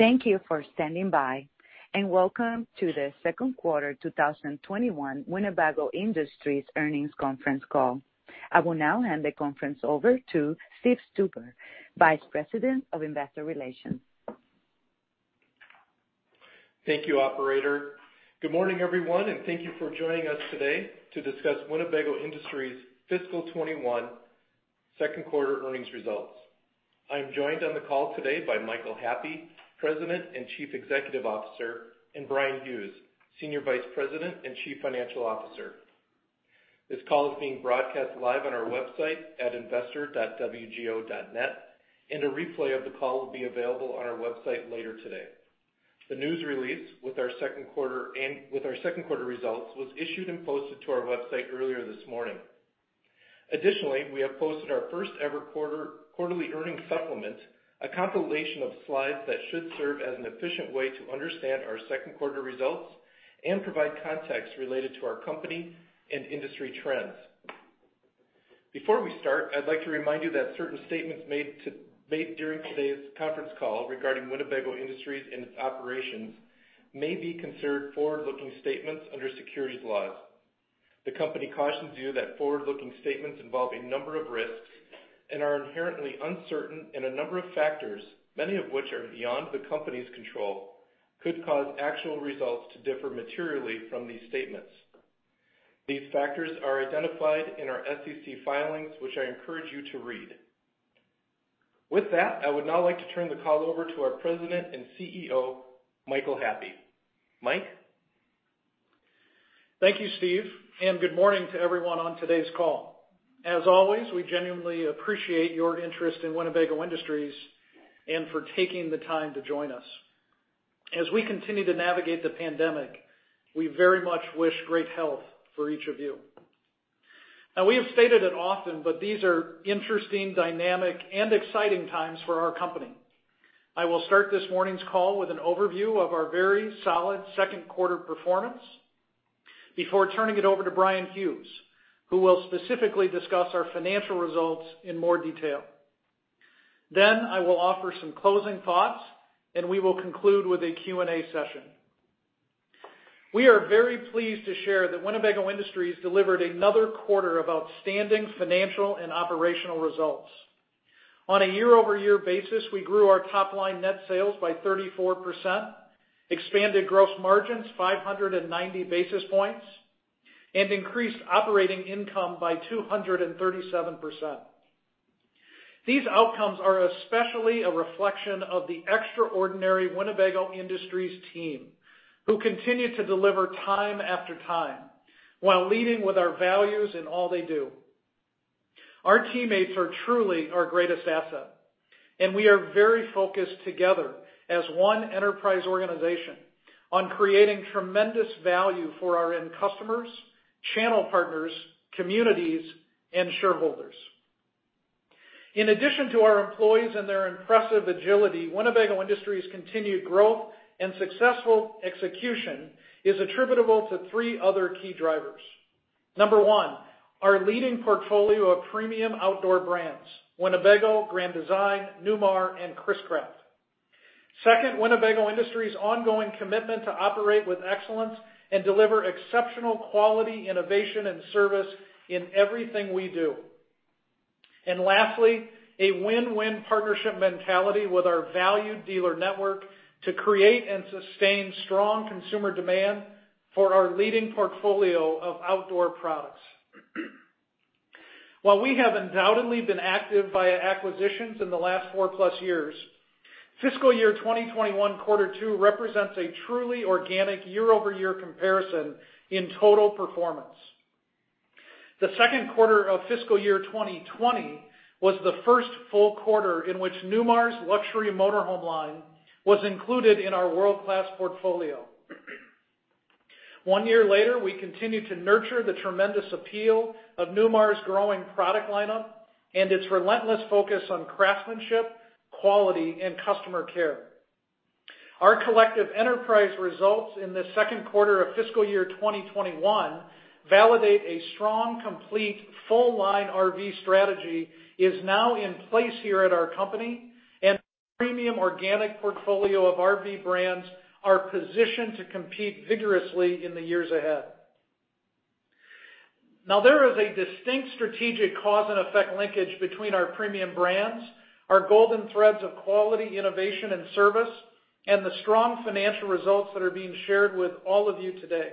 Thank you for standing by, and welcome to the Second Quarter 2021 Winnebago Industries Earnings Conference Call. I will now hand the conference over to Steve Stuber, Vice President of Investor Relations. Thank you, Operator. Good morning, everyone, and thank you for joining us today to discuss Winnebago Industries' fiscal 2021 second quarter earnings results. I am joined on the call today by Michael Happe, President and Chief Executive Officer, and Bryan Hughes, Senior Vice President and Chief Financial Officer. This call is being broadcast live on our website at investor.wgo.net, and a replay of the call will be available on our website later today. The news release with our second quarter results was issued and posted to our website earlier this morning. Additionally, we have posted our first-ever quarterly earnings supplement, a compilation of slides that should serve as an efficient way to understand our second quarter results and provide context related to our company and industry trends. Before we start, I'd like to remind you that certain statements made during today's conference call regarding Winnebago Industries and its operations may be considered forward-looking statements under securities laws. The company cautions you that forward-looking statements involve a number of risks and are inherently uncertain, and a number of factors, many of which are beyond the company's control, could cause actual results to differ materially from these statements. These factors are identified in our SEC filings, which I encourage you to read. With that, I would now like to turn the call over to our President and CEO, Michael Happe. Mike. Thank you, Steve, and good morning to everyone on today's call. As always, we genuinely appreciate your interest in Winnebago Industries and for taking the time to join us. As we continue to navigate the pandemic, we very much wish great health for each of you. Now, we have stated it often, but these are interesting, dynamic, and exciting times for our company. I will start this morning's call with an overview of our very solid second quarter performance before turning it over to Bryan Hughes, who will specifically discuss our financial results in more detail. Then I will offer some closing thoughts, and we will conclude with a Q&A session. We are very pleased to share that Winnebago Industries delivered another quarter of outstanding financial and operational results. On a year-over-year basis, we grew our top-line net sales by 34%, expanded gross margins 590 basis points, and increased operating income by 237%. These outcomes are especially a reflection of the extraordinary Winnebago Industries team, who continue to deliver time after time while leading with our values in all they do. Our teammates are truly our greatest asset, and we are very focused together as one enterprise organization on creating tremendous value for our end customers, channel partners, communities, and shareholders. In addition to our employees and their impressive agility, Winnebago Industries' continued growth and successful execution is attributable to three other key drivers. Number one, our leading portfolio of premium outdoor brands: Winnebago, Grand Design, Newmar, and Chris-Craft. Second, Winnebago Industries' ongoing commitment to operate with excellence and deliver exceptional quality innovation and service in everything we do. And lastly, a win-win partnership mentality with our valued dealer network to create and sustain strong consumer demand for our leading portfolio of outdoor products. While we have undoubtedly been active via acquisitions in the last four-plus years, fiscal year 2021 quarter two represents a truly organic year-over-year comparison in total performance. The second quarter of fiscal year 2020 was the first full quarter in which Newmar's luxury motorhome line was included in our world-class portfolio. One year later, we continue to nurture the tremendous appeal of Newmar's growing product lineup and its relentless focus on craftsmanship, quality, and customer care. Our collective enterprise results in the second quarter of fiscal year 2021 validate a strong, complete, full-line RV strategy is now in place here at our company, and our premium organic portfolio of RV brands are positioned to compete vigorously in the years ahead. Now, there is a distinct strategic cause and effect linkage between our premium brands, our Golden Threads of quality, innovation, and service, and the strong financial results that are being shared with all of you today.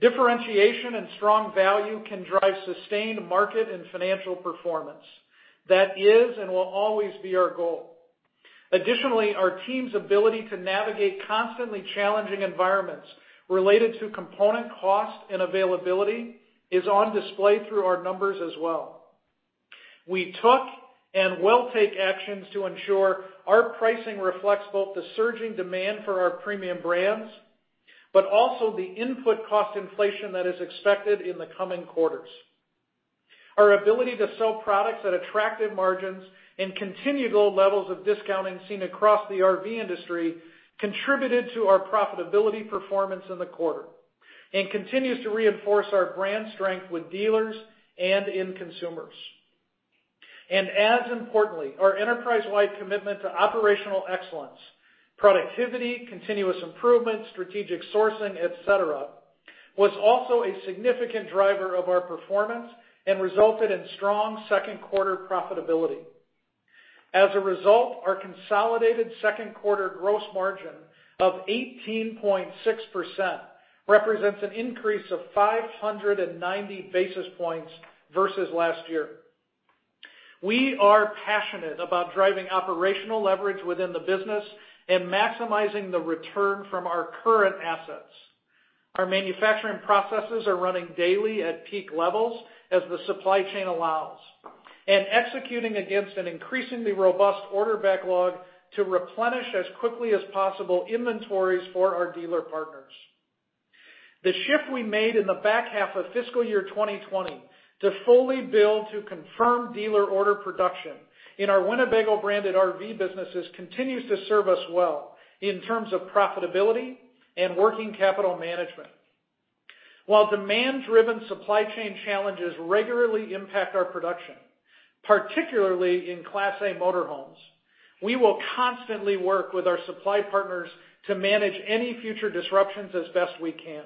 Differentiation and strong value can drive sustained market and financial performance. That is and will always be our goal. Additionally, our team's ability to navigate constantly challenging environments related to component cost and availability is on display through our numbers as well. We took and will take actions to ensure our pricing reflects both the surging demand for our premium brands but also the input cost inflation that is expected in the coming quarters. Our ability to sell products at attractive margins and continue to low levels of discounting seen across the RV industry contributed to our profitability performance in the quarter and continues to reinforce our brand strength with dealers and end consumers. As importantly, our enterprise-wide commitment to operational excellence, productivity, continuous improvement, strategic sourcing, etc., was also a significant driver of our performance and resulted in strong second quarter profitability. As a result, our consolidated second quarter gross margin of 18.6% represents an increase of 590 basis points versus last year. We are passionate about driving operational leverage within the business and maximizing the return from our current assets. Our manufacturing processes are running daily at peak levels as the supply chain allows, and executing against an increasingly robust order backlog to replenish as quickly as possible inventories for our dealer partners. The shift we made in the back half of fiscal year 2020 to fully build to confirmed dealer order production in our Winnebago branded RV businesses continues to serve us well in terms of profitability and working capital management. While demand-driven supply chain challenges regularly impact our production, particularly in Class A motorhomes, we will constantly work with our supply partners to manage any future disruptions as best we can.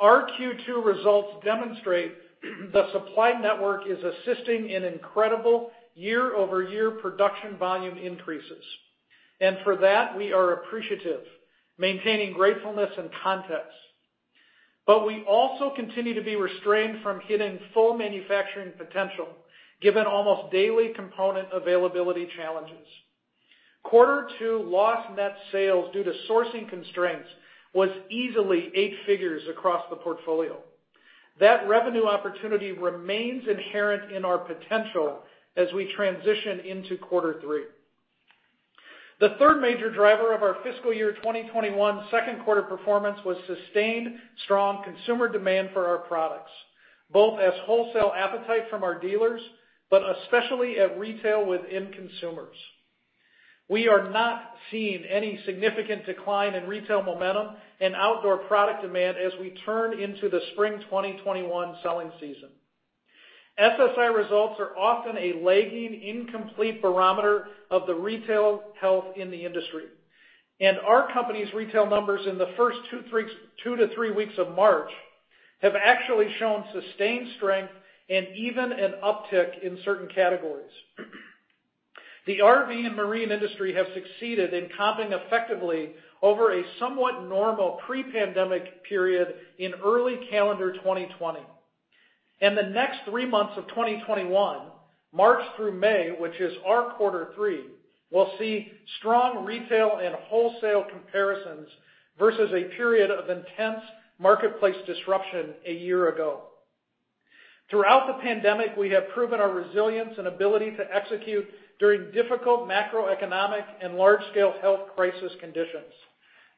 Our Q2 results demonstrate the supply network is assisting in incredible year-over-year production volume increases, and for that, we are appreciative, maintaining gratefulness and context, but we also continue to be restrained from hitting full manufacturing potential given almost daily component availability challenges. Quarter two lost net sales due to sourcing constraints was easily eight figures across the portfolio. That revenue opportunity remains inherent in our potential as we transition into quarter three. The third major driver of our fiscal year 2021 second quarter performance was sustained strong consumer demand for our products, both as wholesale appetite from our dealers but especially at retail with end consumers. We are not seeing any significant decline in retail momentum and outdoor product demand as we turn into the spring 2021 selling season. SSI results are often a lagging, incomplete barometer of the retail health in the industry, and our company's retail numbers in the first two to three weeks of March have actually shown sustained strength and even an uptick in certain categories. The RV and marine industry have succeeded in comping effectively over a somewhat normal pre-pandemic period in early calendar 2020. In the next three months of 2021, March through May, which is our quarter three, we'll see strong retail and wholesale comparisons versus a period of intense marketplace disruption a year ago. Throughout the pandemic, we have proven our resilience and ability to execute during difficult macroeconomic and large-scale health crisis conditions,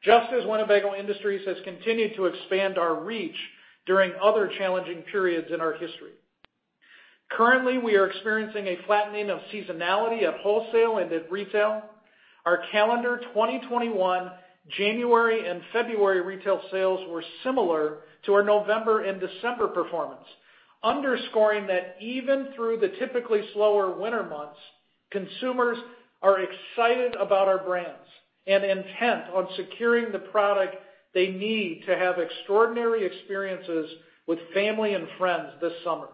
just as Winnebago Industries has continued to expand our reach during other challenging periods in our history. Currently, we are experiencing a flattening of seasonality at wholesale and at retail. Our calendar 2021 January and February retail sales were similar to our November and December performance, underscoring that even through the typically slower winter months, consumers are excited about our brands and intent on securing the product they need to have extraordinary experiences with family and friends this summer.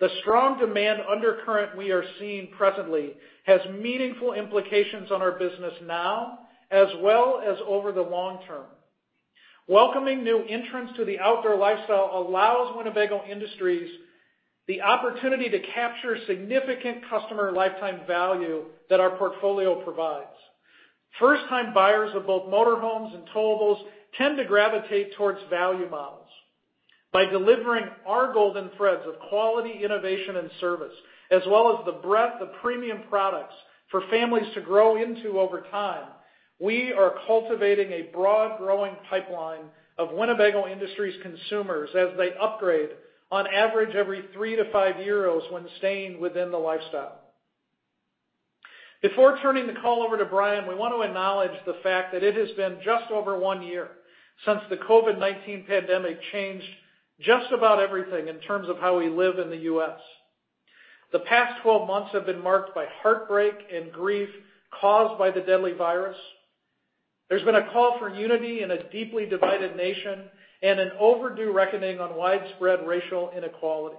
The strong demand undercurrent we are seeing presently has meaningful implications on our business now as well as over the long term. Welcoming new entrants to the outdoor lifestyle allows Winnebago Industries the opportunity to capture significant customer lifetime value that our portfolio provides. First-time buyers of both motorhomes and towables tend to gravitate towards value models. By delivering our Golden Threads of quality, innovation, and service, as well as the breadth of premium products for families to grow into over time, we are cultivating a broad growing pipeline of Winnebago Industries consumers as they upgrade on average every three to five years when staying within the lifestyle. Before turning the call over to Bryan, we want to acknowledge the fact that it has been just over one year since the COVID-19 pandemic changed just about everything in terms of how we live in the U.S. The past 12 months have been marked by heartbreak and grief caused by the deadly virus. There's been a call for unity in a deeply divided nation and an overdue reckoning on widespread racial inequality.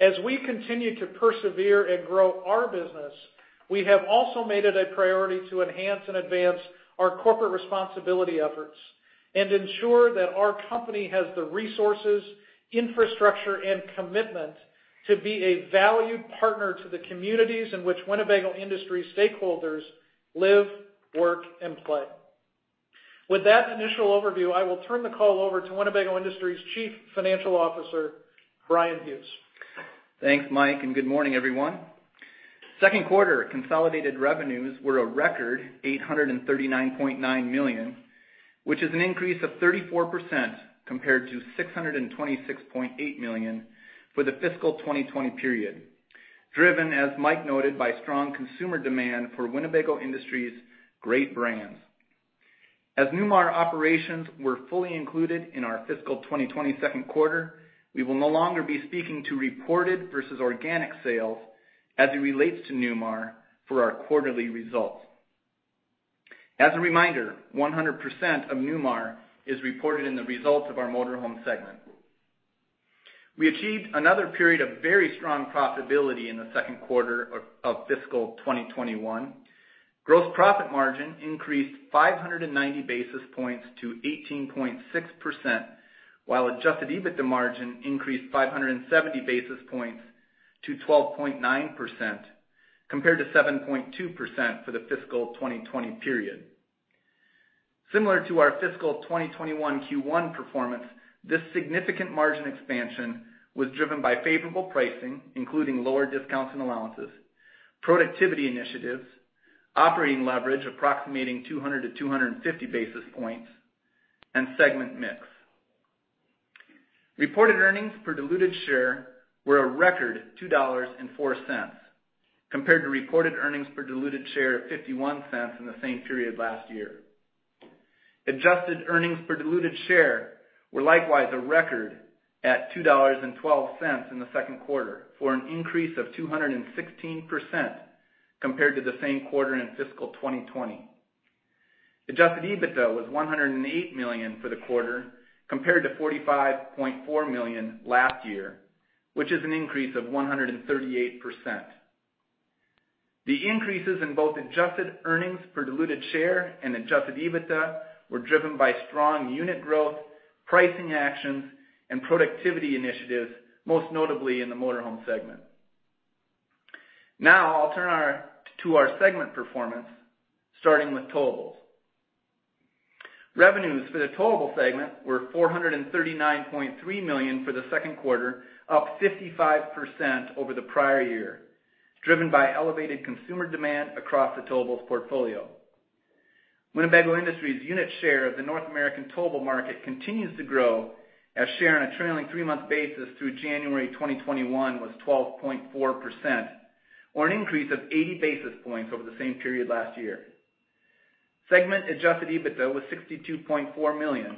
As we continue to persevere and grow our business, we have also made it a priority to enhance and advance our corporate responsibility efforts and ensure that our company has the resources, infrastructure, and commitment to be a valued partner to the communities in which Winnebago Industries stakeholders live, work, and play. With that initial overview, I will turn the call over to Winnebago Industries Chief Financial Officer, Bryan Hughes. Thanks, Mike, and good morning, everyone. Second quarter consolidated revenues were a record $839.9 million, which is an increase of 34% compared to $626.8 million for the fiscal 2020 period, driven, as Mike noted, by strong consumer demand for Winnebago Industries' great brands. As Newmar operations were fully included in our fiscal 2020 second quarter, we will no longer be speaking to reported versus organic sales as it relates to Newmar for our quarterly results. As a reminder, 100% of Newmar is reported in the results of our motorhome segment. We achieved another period of very strong profitability in the second quarter of fiscal 2021. Gross profit margin increased 590 basis points to 18.6%, while adjusted EBITDA margin increased 570 basis points to 12.9% compared to 7.2% for the fiscal 2020 period. Similar to our fiscal 2021 Q1 performance, this significant margin expansion was driven by favorable pricing, including lower discounts and allowances, productivity initiatives, operating leverage approximating 200-250 basis points, and segment mix. Reported earnings per diluted share were a record $2.04 compared to reported earnings per diluted share of $0.51 in the same period last year. Adjusted earnings per diluted share were likewise a record at $2.12 in the second quarter, or an increase of 216% compared to the same quarter in fiscal 2020. Adjusted EBITDA was $108 million for the quarter compared to $45.4 million last year, which is an increase of 138%. The increases in both adjusted earnings per diluted share and adjusted EBITDA were driven by strong unit growth, pricing actions, and productivity initiatives, most notably in the motorhome segment. Now, I'll turn to our segment performance, starting with towables. Revenues for the towable segment were $439.3 million for the second quarter, up 55% over the prior year, driven by elevated consumer demand across the towables portfolio. Winnebago Industries' unit share of the North American towable market continues to grow, as share on a trailing three-month basis through January 2021 was 12.4%, or an increase of 80 basis points over the same period last year. Segment adjusted EBITDA was $62.4 million,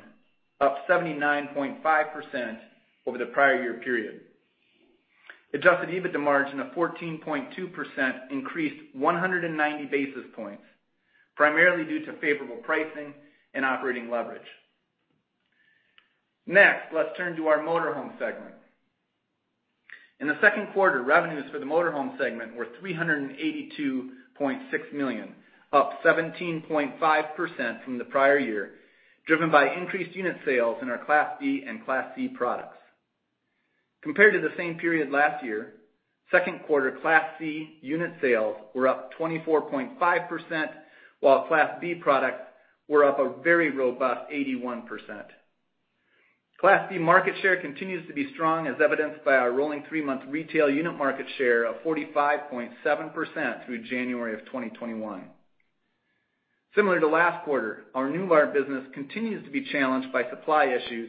up 79.5% over the prior year period. Adjusted EBITDA margin of 14.2% increased 190 basis points, primarily due to favorable pricing and operating leverage. Next, let's turn to our motorhome segment. In the second quarter, revenues for the motorhome segment were $382.6 million, up 17.5% from the prior year, driven by increased unit sales in our Class A and Class C products. Compared to the same period last year, second quarter Class C unit sales were up 24.5%, while Class B products were up a very robust 81%. Class B market share continues to be strong, as evidenced by our rolling three-month retail unit market share of 45.7% through January of 2021. Similar to last quarter, our Newmar business continues to be challenged by supply issues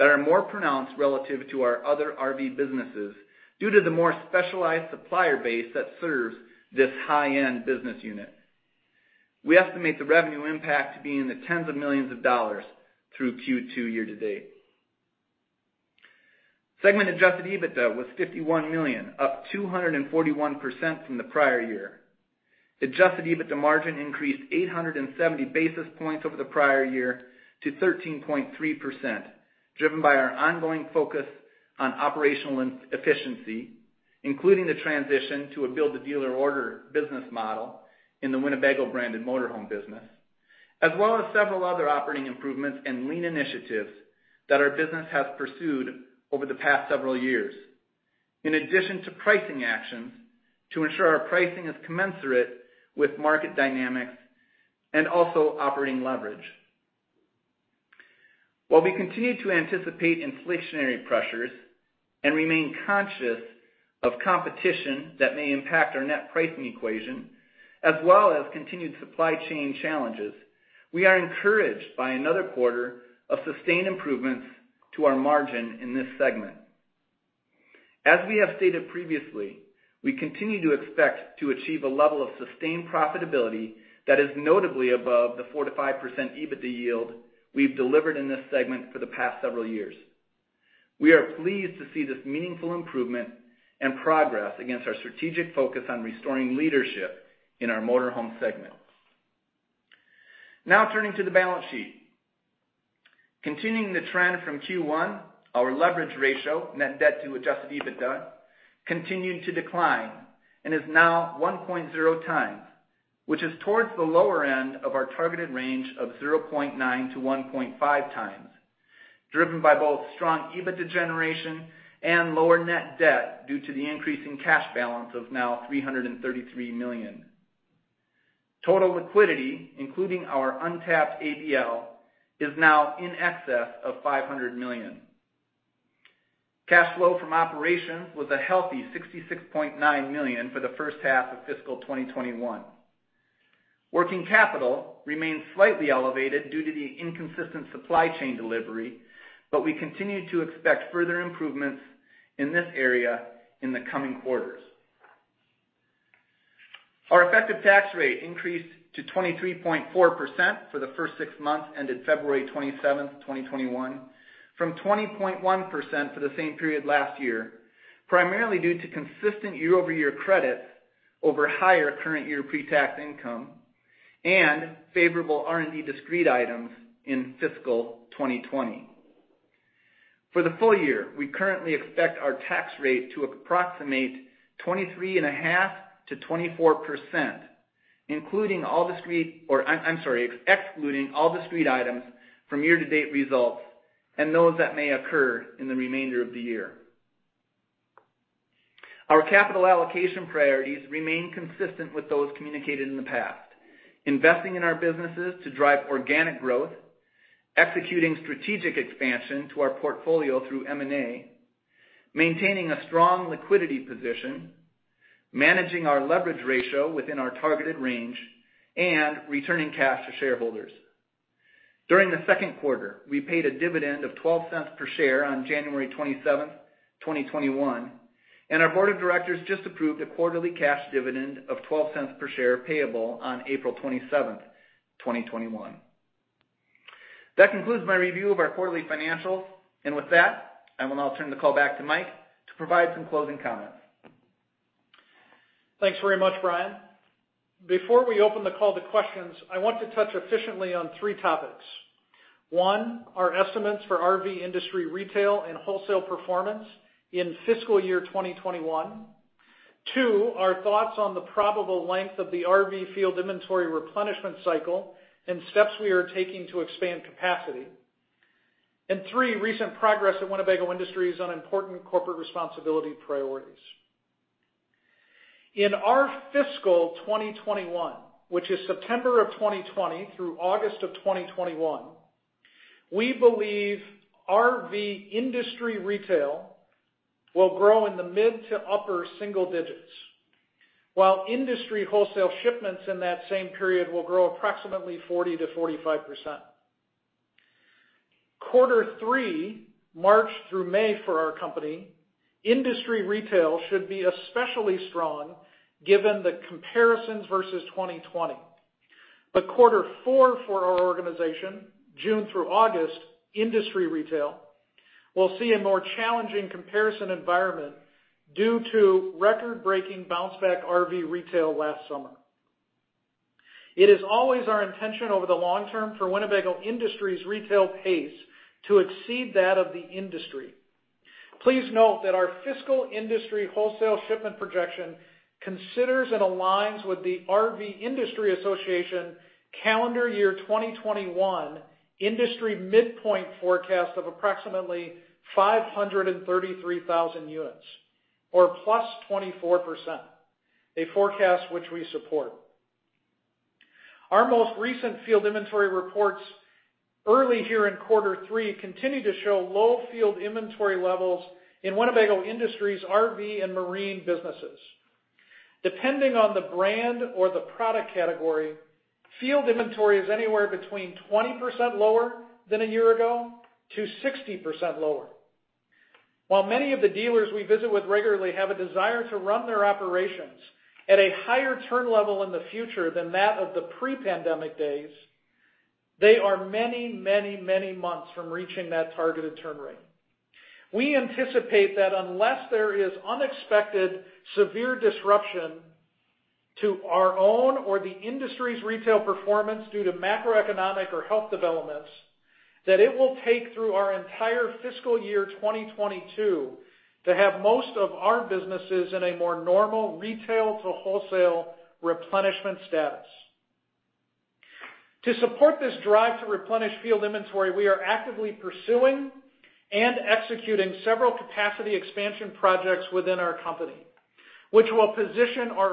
that are more pronounced relative to our other RV businesses due to the more specialized supplier base that serves this high-end business unit. We estimate the revenue impact to be in the tens of millions of dollars through Q2 year to date. Segment Adjusted EBITDA was $51 million, up 241% from the prior year. Adjusted EBITDA margin increased 870 basis points over the prior year to 13.3%, driven by our ongoing focus on operational efficiency, including the transition to a build-to-dealer order business model in the Winnebago branded motorhome business, as well as several other operating improvements and lean initiatives that our business has pursued over the past several years, in addition to pricing actions to ensure our pricing is commensurate with market dynamics and also operating leverage. While we continue to anticipate inflationary pressures and remain conscious of competition that may impact our net pricing equation, as well as continued supply chain challenges, we are encouraged by another quarter of sustained improvements to our margin in this segment. As we have stated previously, we continue to expect to achieve a level of sustained profitability that is notably above the 4%-5% EBITDA yield we've delivered in this segment for the past several years. We are pleased to see this meaningful improvement and progress against our strategic focus on restoring leadership in our motorhome segment. Now, turning to the balance sheet. Continuing the trend from Q1, our leverage ratio, net debt to adjusted EBITDA, continued to decline and is now 1.0 times, which is towards the lower end of our targeted range of 0.9-1.5 times, driven by both strong EBITDA generation and lower net debt due to the increasing cash balance of now $333 million. Total liquidity, including our untapped ABL, is now in excess of $500 million. Cash flow from operations was a healthy $66.9 million for the first half of fiscal 2021. Working capital remained slightly elevated due to the inconsistent supply chain delivery, but we continue to expect further improvements in this area in the coming quarters. Our effective tax rate increased to 23.4% for the first six months ended February 27, 2021, from 20.1% for the same period last year, primarily due to consistent year-over-year credit over higher current year pre-tax income and favorable R&D discrete items in fiscal 2020. For the full year, we currently expect our tax rate to approximate 23.5%-24%, excluding all discrete items from year-to-date results and those that may occur in the remainder of the year. Our capital allocation priorities remain consistent with those communicated in the past: investing in our businesses to drive organic growth, executing strategic expansion to our portfolio through M&A, maintaining a strong liquidity position, managing our leverage ratio within our targeted range, and returning cash to shareholders. During the second quarter, we paid a dividend of $0.12 per share on January 27, 2021, and our board of directors just approved a quarterly cash dividend of $0.12 per share payable on April 27, 2021. That concludes my review of our quarterly financials. With that, I will now turn the call back to Mike to provide some closing comments. Thanks very much, Bryan. Before we open the call to questions, I want to touch efficiently on three topics. One, our estimates for RV industry retail and wholesale performance in fiscal year 2021. Two, our thoughts on the probable length of the RV field inventory replenishment cycle and steps we are taking to expand capacity. And three, recent progress at Winnebago Industries on important corporate responsibility priorities. In our fiscal 2021, which is September of 2020 through August of 2021, we believe RV industry retail will grow in the mid to upper single digits, while industry wholesale shipments in that same period will grow approximately 40%-45%. Quarter three, March through May for our company, industry retail should be especially strong given the comparisons versus 2020. But quarter four for our organization, June through August, industry retail will see a more challenging comparison environment due to record-breaking bounce-back RV retail last summer. It is always our intention over the long term for Winnebago Industries' retail pace to exceed that of the industry. Please note that our fiscal industry wholesale shipment projection considers and aligns with the RV Industry Association calendar year 2021 industry midpoint forecast of approximately 533,000 units, or plus 24%, a forecast which we support. Our most recent field inventory reports early here in quarter three continue to show low field inventory levels in Winnebago Industries' RV and marine businesses. Depending on the brand or the product category, field inventory is anywhere between 20% lower than a year ago to 60% lower. While many of the dealers we visit with regularly have a desire to run their operations at a higher turn level in the future than that of the pre-pandemic days, they are many, many, many months from reaching that targeted turn rate. We anticipate that unless there is unexpected severe disruption to our own or the industry's retail performance due to macroeconomic or health developments, that it will take through our entire fiscal year 2022 to have most of our businesses in a more normal retail to wholesale replenishment status. To support this drive to replenish field inventory, we are actively pursuing and executing several capacity expansion projects within our company, which will position our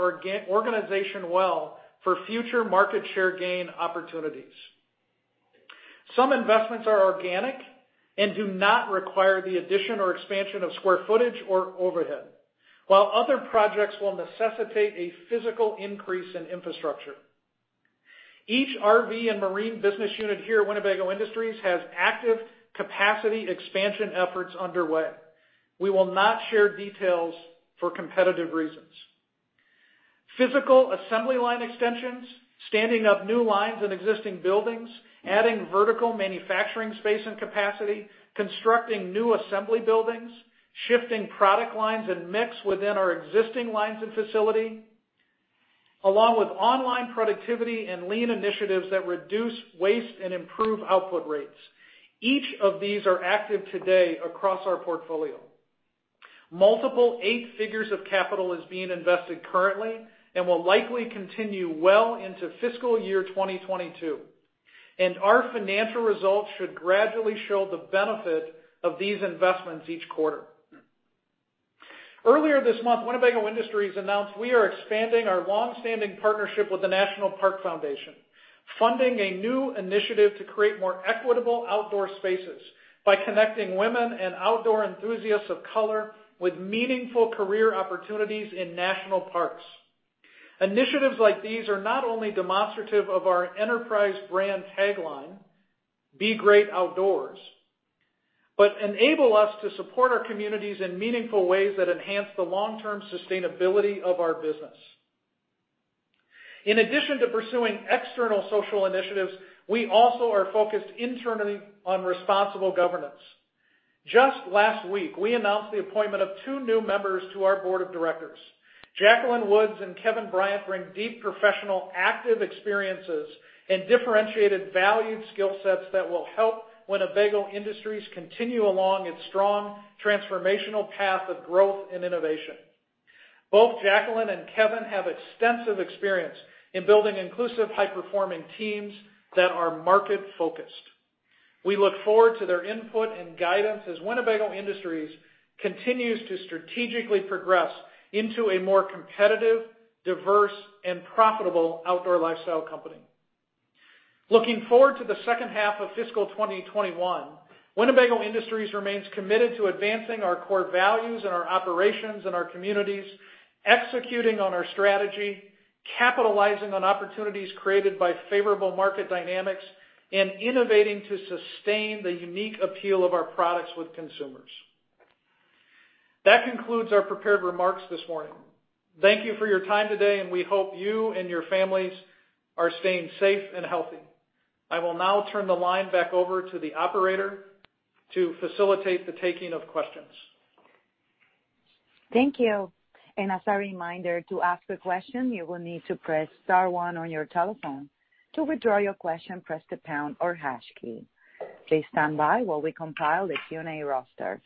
organization well for future market share gain opportunities. Some investments are organic and do not require the addition or expansion of square footage or overhead, while other projects will necessitate a physical increase in infrastructure. Each RV and marine business unit here at Winnebago Industries has active capacity expansion efforts underway. We will not share details for competitive reasons. Physical assembly line extensions, standing up new lines in existing buildings, adding vertical manufacturing space and capacity, constructing new assembly buildings, shifting product lines and mix within our existing lines and facility, along with ongoing productivity and lean initiatives that reduce waste and improve output rates. Each of these are active today across our portfolio. Multiple eight figures of capital is being invested currently and will likely continue well into fiscal year 2022. And our financial results should gradually show the benefit of these investments each quarter. Earlier this month, Winnebago Industries announced we are expanding our long-standing partnership with the National Park Foundation, funding a new initiative to create more equitable outdoor spaces by connecting women and outdoor enthusiasts of color with meaningful career opportunities in national parks. Initiatives like these are not only demonstrative of our enterprise brand tagline, "Be Great Outdoors," but enable us to support our communities in meaningful ways that enhance the long-term sustainability of our business. In addition to pursuing external social initiatives, we also are focused internally on responsible governance. Just last week, we announced the appointment of two new members to our board of directors. Jacqueline Woods and Kevin Bryant bring deep professional active experiences and differentiated valued skill sets that will help Winnebago Industries continue along its strong transformational path of growth and innovation. Both Jacqueline and Kevin have extensive experience in building inclusive, high-performing teams that are market-focused. We look forward to their input and guidance as Winnebago Industries continues to strategically progress into a more competitive, diverse, and profitable outdoor lifestyle company. Looking forward to the second half of fiscal 2021, Winnebago Industries remains committed to advancing our core values in our operations and our communities, executing on our strategy, capitalizing on opportunities created by favorable market dynamics, and innovating to sustain the unique appeal of our products with consumers. That concludes our prepared remarks this morning. Thank you for your time today, and we hope you and your families are staying safe and healthy. I will now turn the line back over to the operator to facilitate the taking of questions. Thank you. And as a reminder, to ask a question, you will need to press star one on your telephone. To withdraw your question, press the pound or hash key. Please stand by while we compile the Q&A roster.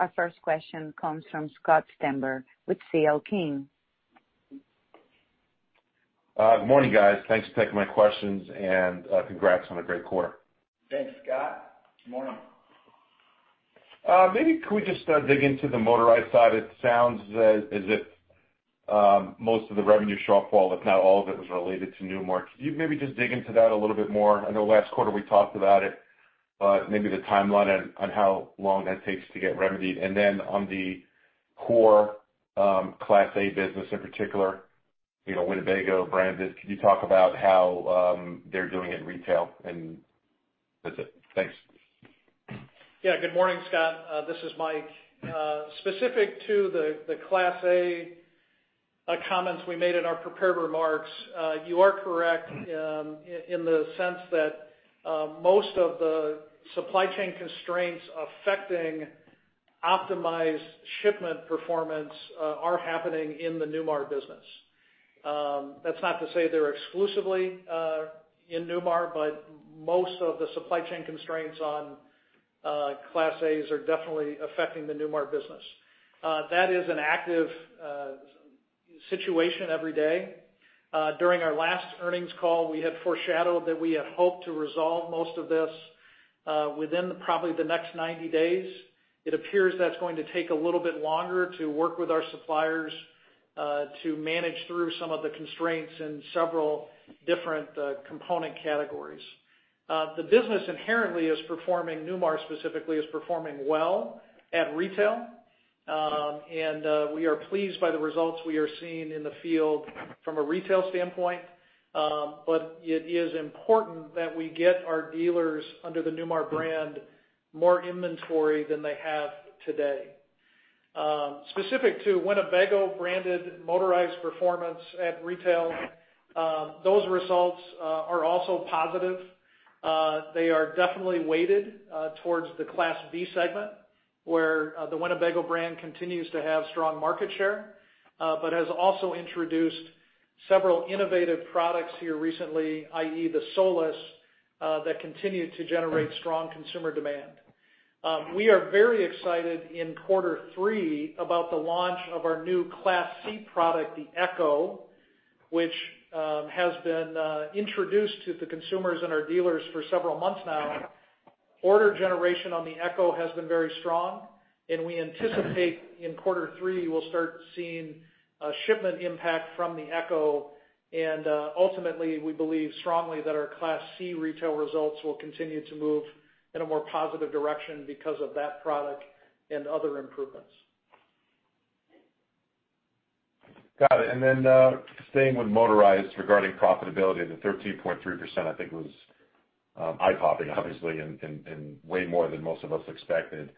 Our first question comes from Scott Stember with C.L. King. Good morning, guys. Thanks for taking my questions and congrats on a great quarter. Thanks, Scott. Good morning. Maybe could we just dig into the motorized side? It sounds as if most of the revenue shortfall, if not all, that was related to new markets. Could you maybe just dig into that a little bit more? I know last quarter we talked about it, maybe the timeline on how long that takes to get remedied. And then on the core Class A business in particular, Winnebago brand. And could you talk about how they're doing in retail? And that's it. Thanks. Yeah, good morning, Scott. This is Mike. Specific to the Class A comments we made in our prepared remarks, you are correct in the sense that most of the supply chain constraints affecting optimized shipment performance are happening in the Newmar business. That's not to say they're exclusively in Newmar, but most of the supply chain constraints on Class A are definitely affecting the Newmar business. That is an active situation every day. During our last earnings call, we had foreshadowed that we had hoped to resolve most of this within probably the next 90 days. It appears that's going to take a little bit longer to work with our suppliers to manage through some of the constraints in several different component categories. The business inherently is performing Newmar specifically as performing well at retail. And we are pleased by the results we are seeing in the field from a retail standpoint. But it is important that we get our dealers under the Newmar brand more inventory than they have today. Specific to Winnebago branded motorized performance at retail, those results are also positive. They are definitely weighted towards the Class B segment, where the Winnebago brand continues to have strong market share, but has also introduced several innovative products here recently, i.e., the Solis that continue to generate strong consumer demand. We are very excited in quarter three about the launch of our new Class C product, the Ekko, which has been introduced to the consumers and our dealers for several months now. Order generation on the Ekko has been very strong. And we anticipate in quarter three, we'll start seeing a shipment impact from the Ekko. Ultimately, we believe strongly that our Class C retail results will continue to move in a more positive direction because of that product and other improvements. Got it. And then staying with motorized regarding profitability, the 13.3%, I think, was eye-popping, obviously, and way more than most of us expected.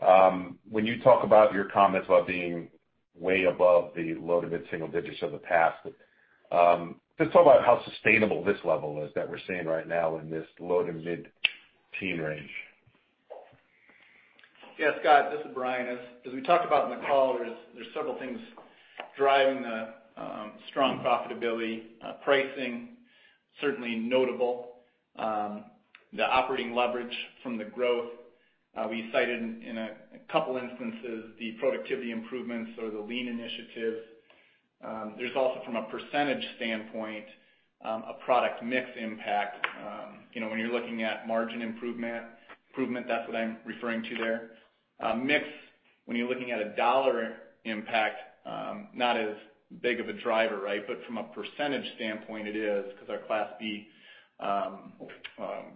When you talk about your comments about being way above the low to mid single digits of the past, just talk about how sustainable this level is that we're seeing right now in this low to mid teen range. Yeah, Scott, this is Bryan. As we talked about in the call, there's several things driving the strong profitability. Pricing, certainly notable. The operating leverage from the growth we cited in a couple of instances, the productivity improvements or the lean initiative. There's also, from a percentage standpoint, a product mix impact. When you're looking at margin improvement, that's what I'm referring to there. Mix, when you're looking at a dollar impact, not as big of a driver, right? But from a percentage standpoint, it is, because our Class B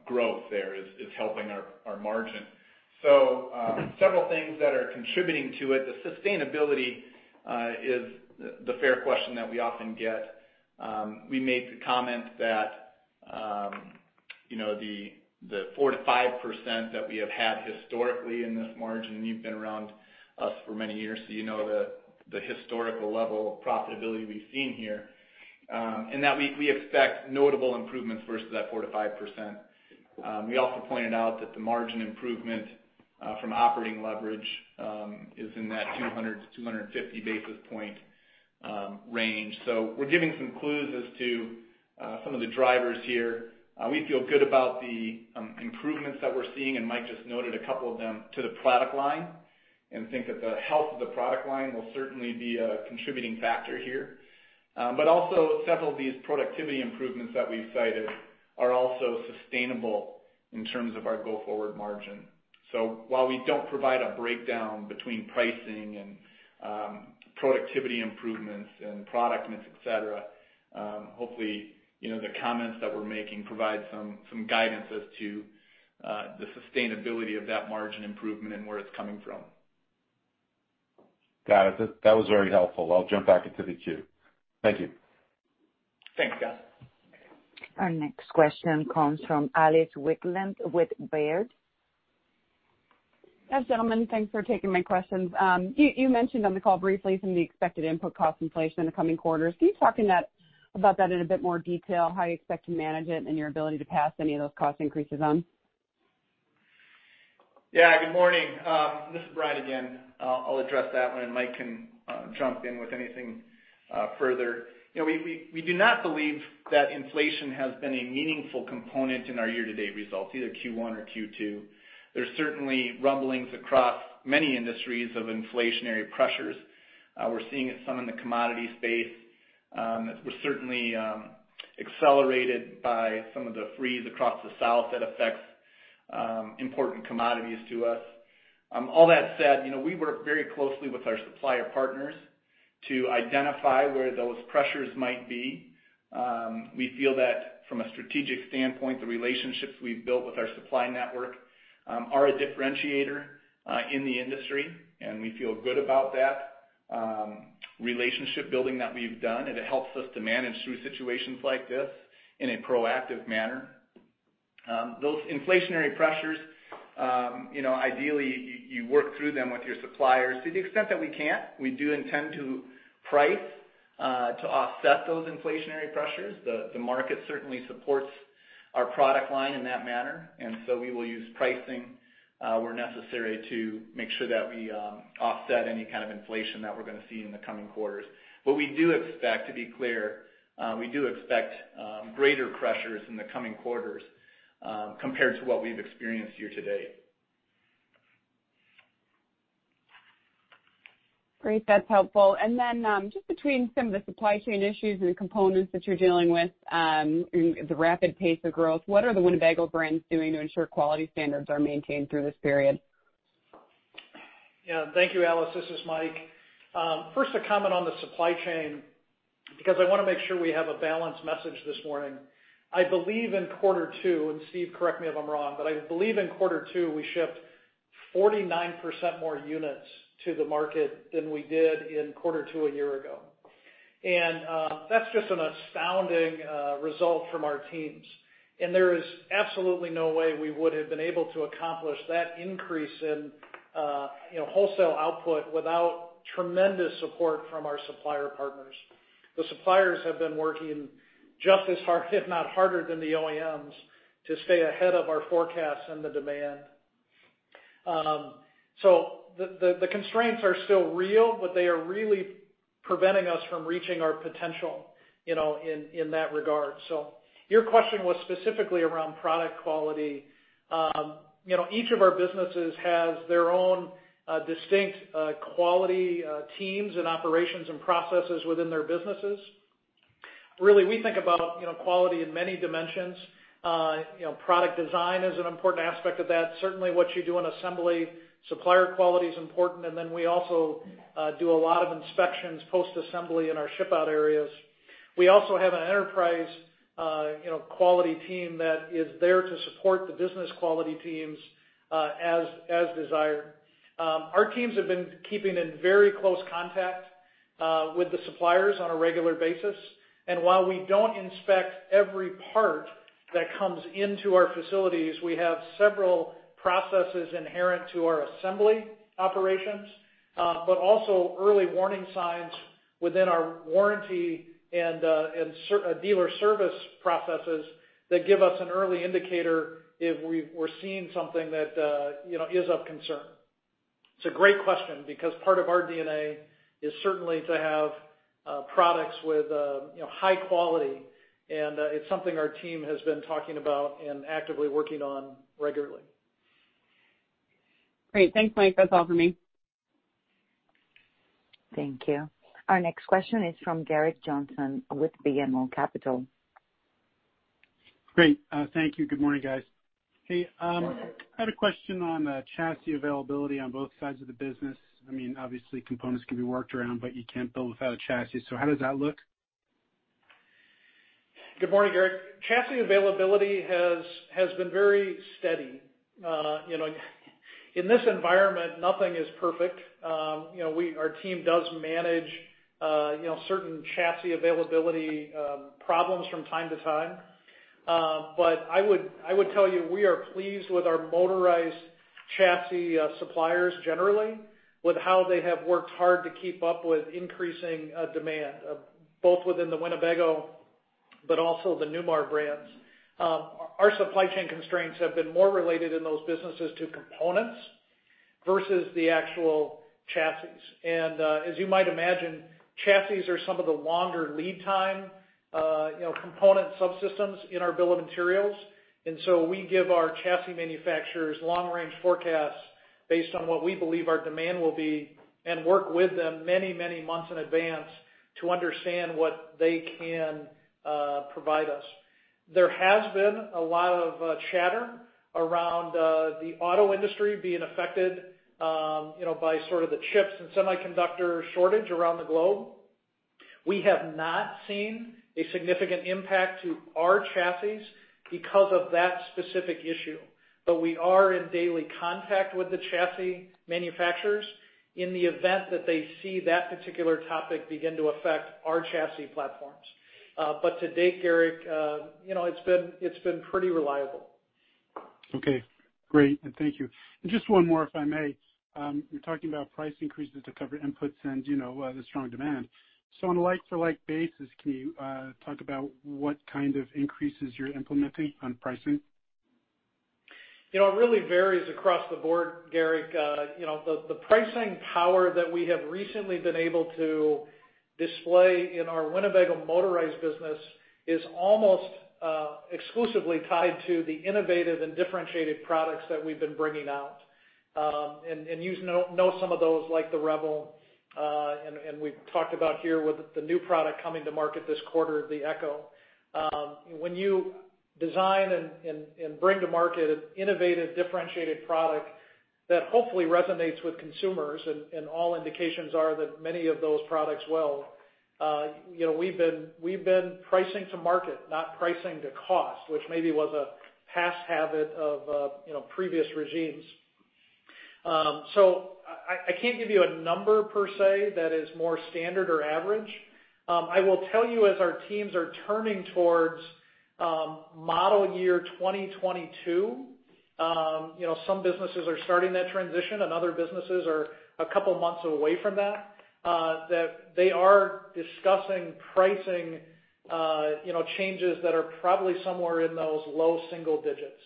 growth there is helping our margin. So several things that are contributing to it. The sustainability is the fair question that we often get. We made the comment that the 4%-5% that we have had historically in this margin, you've been around us for many years, so you know the historical level of profitability we've seen here. That we expect notable improvements versus that 4%-5%. We also pointed out that the margin improvement from operating leverage is in that 200-250 basis points range. We're giving some clues as to some of the drivers here. We feel good about the improvements that we're seeing, and Mike just noted a couple of them, to the product line and think that the health of the product line will certainly be a contributing factor here. Also, several of these productivity improvements that we've cited are also sustainable in terms of our go forward margin. While we don't provide a breakdown between pricing and productivity improvements and product mix, etc., hopefully the comments that we're making provide some guidance as to the sustainability of that margin improvement and where it's coming from. Got it. That was very helpful. I'll jump back into the Q. Thank you. Thanks, Scott. Our next question comes from Alice Wycklendt with Baird. Hi, gentlemen. Thanks for taking my questions. You mentioned on the call briefly some of the expected input cost inflation in the coming quarters. Can you talk about that in a bit more detail, how you expect to manage it and your ability to pass any of those cost increases on? Yeah, good morning. This is Bryan again. I'll address that one, and Mike can jump in with anything further. We do not believe that inflation has been a meaningful component in our year-to-date results, either Q1 or Q2. There's certainly rumblings across many industries of inflationary pressures. We're seeing it some in the commodity space. We're certainly accelerated by some of the freeze across the south that affects important commodities to us. All that said, we work very closely with our supplier partners to identify where those pressures might be. We feel that from a strategic standpoint, the relationships we've built with our supply network are a differentiator in the industry, and we feel good about that relationship building that we've done. It helps us to manage through situations like this in a proactive manner. Those inflationary pressures, ideally, you work through them with your suppliers. To the extent that we can't, we do intend to price to offset those inflationary pressures. The market certainly supports our product line in that manner. And so we will use pricing where necessary to make sure that we offset any kind of inflation that we're going to see in the coming quarters. But we do expect, to be clear, we do expect greater pressures in the coming quarters compared to what we've experienced year to date. Great. That's helpful. And then just between some of the supply chain issues and components that you're dealing with and the rapid pace of growth, what are the Winnebago brands doing to ensure quality standards are maintained through this period? Yeah. Thank you, Alice. This is Mike. First, a comment on the supply chain, because I want to make sure we have a balanced message this morning. I believe in quarter two, and Steve, correct me if I'm wrong, but I believe in quarter two, we shipped 49% more units to the market than we did in quarter two a year ago. And that's just an astounding result from our teams. And there is absolutely no way we would have been able to accomplish that increase in wholesale output without tremendous support from our supplier partners. The suppliers have been working just as hard, if not harder, than the OEMs to stay ahead of our forecasts and the demand. So the constraints are still real, but they are really preventing us from reaching our potential in that regard. So your question was specifically around product quality. Each of our businesses has their own distinct quality teams and operations and processes within their businesses. Really, we think about quality in many dimensions. Product design is an important aspect of that. Certainly, what you do in assembly, supplier quality is important. And then we also do a lot of inspections post-assembly in our ship out areas. We also have an enterprise quality team that is there to support the business quality teams as desired. Our teams have been keeping in very close contact with the suppliers on a regular basis. And while we don't inspect every part that comes into our facilities, we have several processes inherent to our assembly operations, but also early warning signs within our warranty and dealer service processes that give us an early indicator if we're seeing something that is of concern. It's a great question because part of our DNA is certainly to have products with high quality and it's something our team has been talking about and actively working on regularly. Great. Thanks, Mike. That's all for me. Thank you. Our next question is from Gerrick Johnson with BMO Capital. Great. Thank you. Good morning, guys. Hey, I had a question on the chassis availability on both sides of the business. I mean, obviously, components can be worked around, but you can't build without a chassis. So how does that look? Good morning, Gerrick. Chassis availability has been very steady. In this environment, nothing is perfect. Our team does manage certain chassis availability problems from time to time. But I would tell you we are pleased with our motorized chassis suppliers generally, with how they have worked hard to keep up with increasing demand, both within the Winnebago, but also the Newmar brands. Our supply chain constraints have been more related in those businesses to components versus the actual chassis. And as you might imagine, chassis are some of the longer lead time component subsystems in our bill of materials. We give our chassis manufacturers long-range forecasts based on what we believe our demand will be and work with them many, many months in advance to understand what they can provide us. There has been a lot of chatter around the auto industry being affected by sort of the chips and semiconductor shortage around the globe. We have not seen a significant impact to our chassis because of that specific issue. We are in daily contact with the chassis manufacturers in the event that they see that particular topic begin to affect our chassis platforms. To date, Gerrick, it's been pretty reliable. Okay. Great. And thank you. And just one more, if I may. You're talking about price increases to cover inputs and the strong demand. So on a like-for-like basis, can you talk about what kind of increases you're implementing on pricing? It really varies across the board, Gerrick. The pricing power that we have recently been able to display in our Winnebago motorized business is almost exclusively tied to the innovative and differentiated products that we've been bringing out, and you know some of those, like the Revel. We've talked about here with the new product coming to market this quarter, the Ekko. When you design and bring to market an innovative, differentiated product that hopefully resonates with consumers, and all indications are that many of those products will, we've been pricing to market, not pricing to cost, which maybe was a past habit of previous regimes, so I can't give you a number per se that is more standard or average. I will tell you, as our teams are turning towards model year 2022, some businesses are starting that transition. Other businesses are a couple of months away from that, that they are discussing pricing changes that are probably somewhere in those low single digits.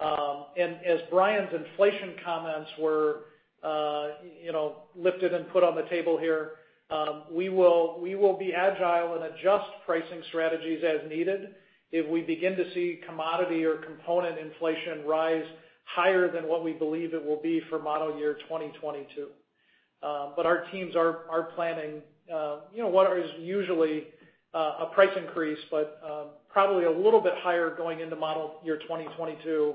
As Bryan's inflation comments were lifted and put on the table here, we will be agile and adjust pricing strategies as needed if we begin to see commodity or component inflation rise higher than what we believe it will be for model year 2022. Our teams are planning what is usually a price increase, but probably a little bit higher going into model year 2022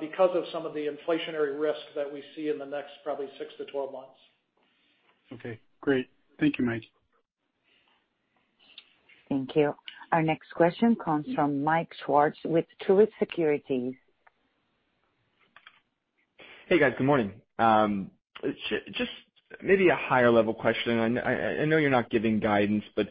because of some of the inflationary risk that we see in the next probably 6 to 12 months. Okay. Great. Thank you, Mike. Thank you. Our next question comes from Mike Swartz with Truist Securities. Hey, guys. Good morning. Just maybe a higher-level question. I know you're not giving guidance, but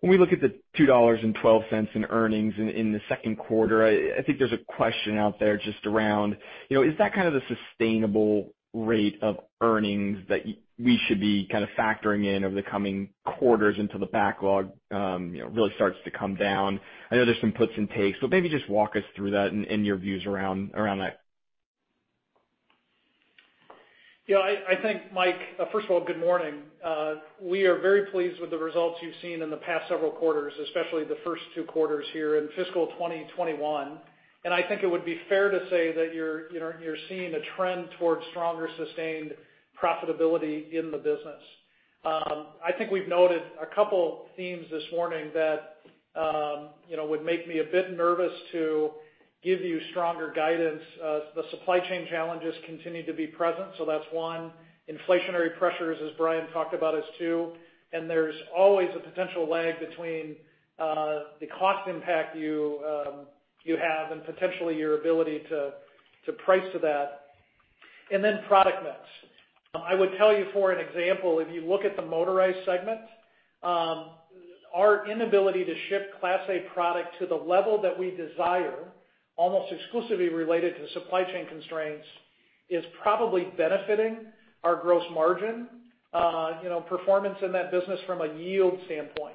when we look at the $2.12 in earnings in the second quarter, I think there's a question out there just around, is that kind of the sustainable rate of earnings that we should be kind of factoring in over the coming quarters until the backlog really starts to come down? I know there's some puts and takes, but maybe just walk us through that and your views around that. Yeah. I think, Mike, first of all, good morning. We are very pleased with the results you've seen in the past several quarters, especially the first two quarters here in fiscal 2021, and I think it would be fair to say that you're seeing a trend towards stronger sustained profitability in the business. I think we've noted a couple of themes this morning that would make me a bit nervous to give you stronger guidance. The supply chain challenges continue to be present, so that's one. Inflationary pressures, as Bryan talked about, is two. And there's always a potential lag between the cost impact you have and potentially your ability to price to that. And then product mix. I would tell you, for an example, if you look at the motorized segment, our inability to ship Class A product to the level that we desire, almost exclusively related to supply chain constraints, is probably benefiting our gross margin performance in that business from a yield standpoint.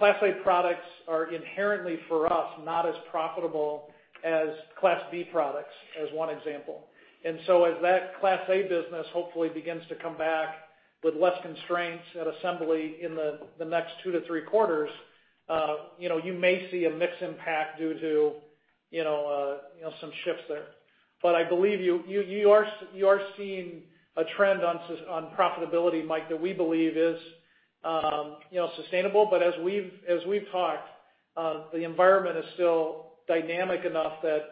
Class A products are inherently, for us, not as profitable as Class B products, as one example, and so as that Class A business hopefully begins to come back with less constraints at assembly in the next two to three quarters, you may see a mixed impact due to some shifts there, but I believe you are seeing a trend on profitability, Mike, that we believe is sustainable, but as we've talked, the environment is still dynamic enough that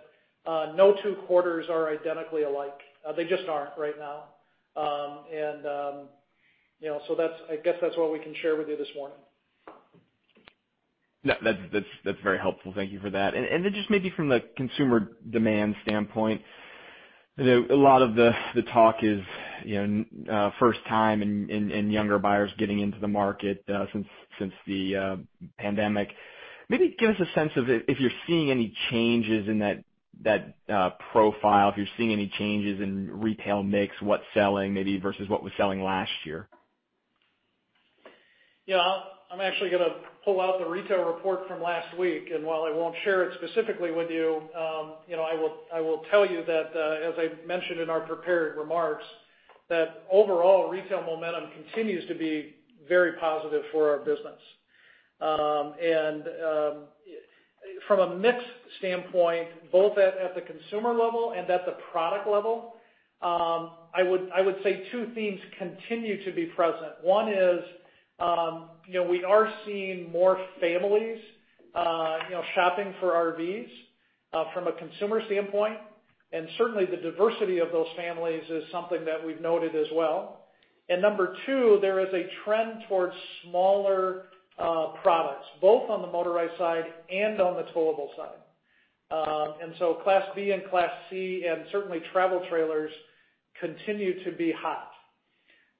no two quarters are identically alike. They just aren't right now. And so I guess that's what we can share with you this morning. That's very helpful. Thank you for that. And then just maybe from the consumer demand standpoint, a lot of the talk is first-time and younger buyers getting into the market since the pandemic. Maybe give us a sense of if you're seeing any changes in that profile, if you're seeing any changes in retail mix, what's selling maybe versus what was selling last year? Yeah. I'm actually going to pull out the retail report from last week, and while I won't share it specifically with you, I will tell you that, as I mentioned in our prepared remarks, that overall retail momentum continues to be very positive for our business, and from a mix standpoint, both at the consumer level and at the product level, I would say two themes continue to be present. One is we are seeing more families shopping for RVs from a consumer standpoint, and certainly, the diversity of those families is something that we've noted as well, and number two, there is a trend towards smaller products, both on the motorized side and on the towable side, and so Class B and lass C, and certainly travel trailers continue to be hot.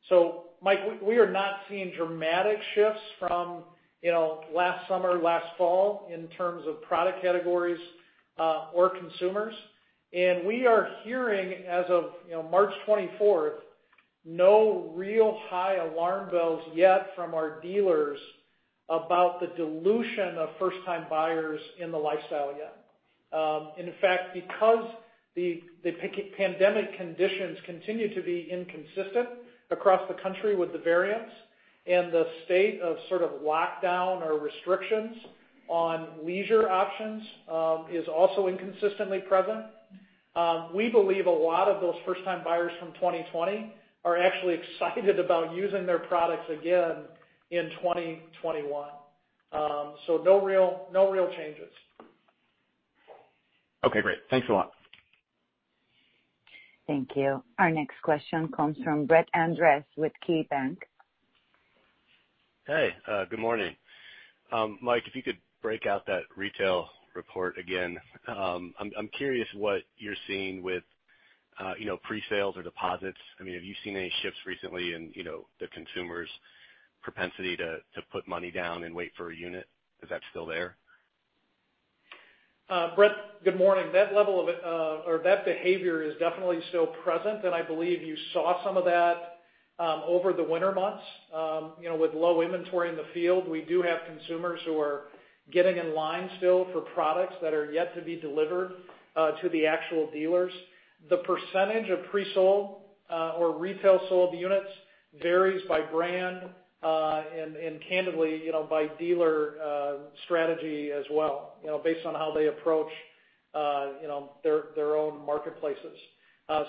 So Mike, we are not seeing dramatic shifts from last summer, last fall in terms of product categories or consumers. And we are hearing, as of March 24th, no real high alarm bells yet from our dealers about the dilution of first-time buyers in the lifestyle yet. In fact, because the pandemic conditions continue to be inconsistent across the country with the variants, and the state of sort of lockdown or restrictions on leisure options is also inconsistently present, we believe a lot of those first-time buyers from 2020 are actually excited about using their products again in 2021. So no real changes. Okay. Great. Thanks a lot. Thank you. Our next question comes from Brett Andress with KeyBanc. Hey, good morning. Mike, if you could break out that retail report again. I'm curious what you're seeing with presales or deposits. I mean, have you seen any shifts recently in the consumers' propensity to put money down and wait for a unit? Is that still there? Brett, good morning. That level of or that behavior is definitely still present, and I believe you saw some of that over the winter months with low inventory in the field. We do have consumers who are getting in line still for products that are yet to be delivered to the actual dealers. The percentage of pre-sold or retail sold units varies by brand and candidly by dealer strategy as well, based on how they approach their own marketplaces,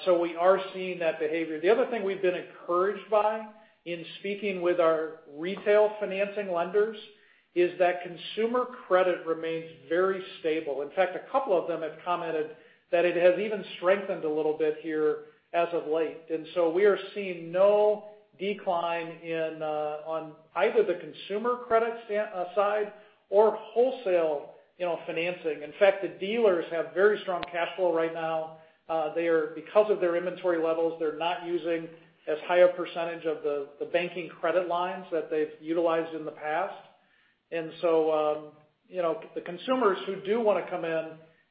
so we are seeing that behavior. The other thing we've been encouraged by in speaking with our retail financing lenders is that consumer credit remains very stable. In fact, a couple of them have commented that it has even strengthened a little bit here as of late, and so we are seeing no decline on either the consumer credit side or wholesale financing. In fact, the dealers have very strong cash flow right now. Because of their inventory levels, they're not using as high a percentage of the banking credit lines that they've utilized in the past. And so the consumers who do want to come in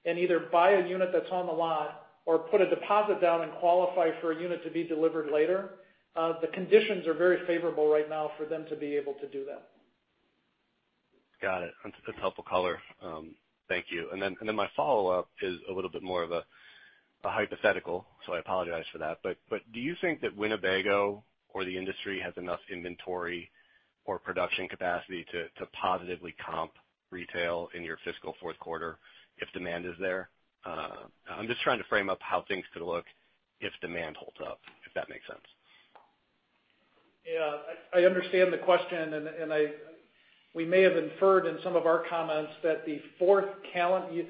and either buy a unit that's on the lot or put a deposit down and qualify for a unit to be delivered later, the conditions are very favorable right now for them to be able to do that. Got it. That's helpful color. Thank you. And then my follow-up is a little bit more of a hypothetical, so I apologize for that. But do you think that Winnebago or the industry has enough inventory or production capacity to positively comp retail in your fiscal fourth quarter if demand is there? I'm just trying to frame up how things could look if demand holds up, if that makes sense. Yeah. I understand the question. And we may have inferred in some of our comments that the fourth calendar,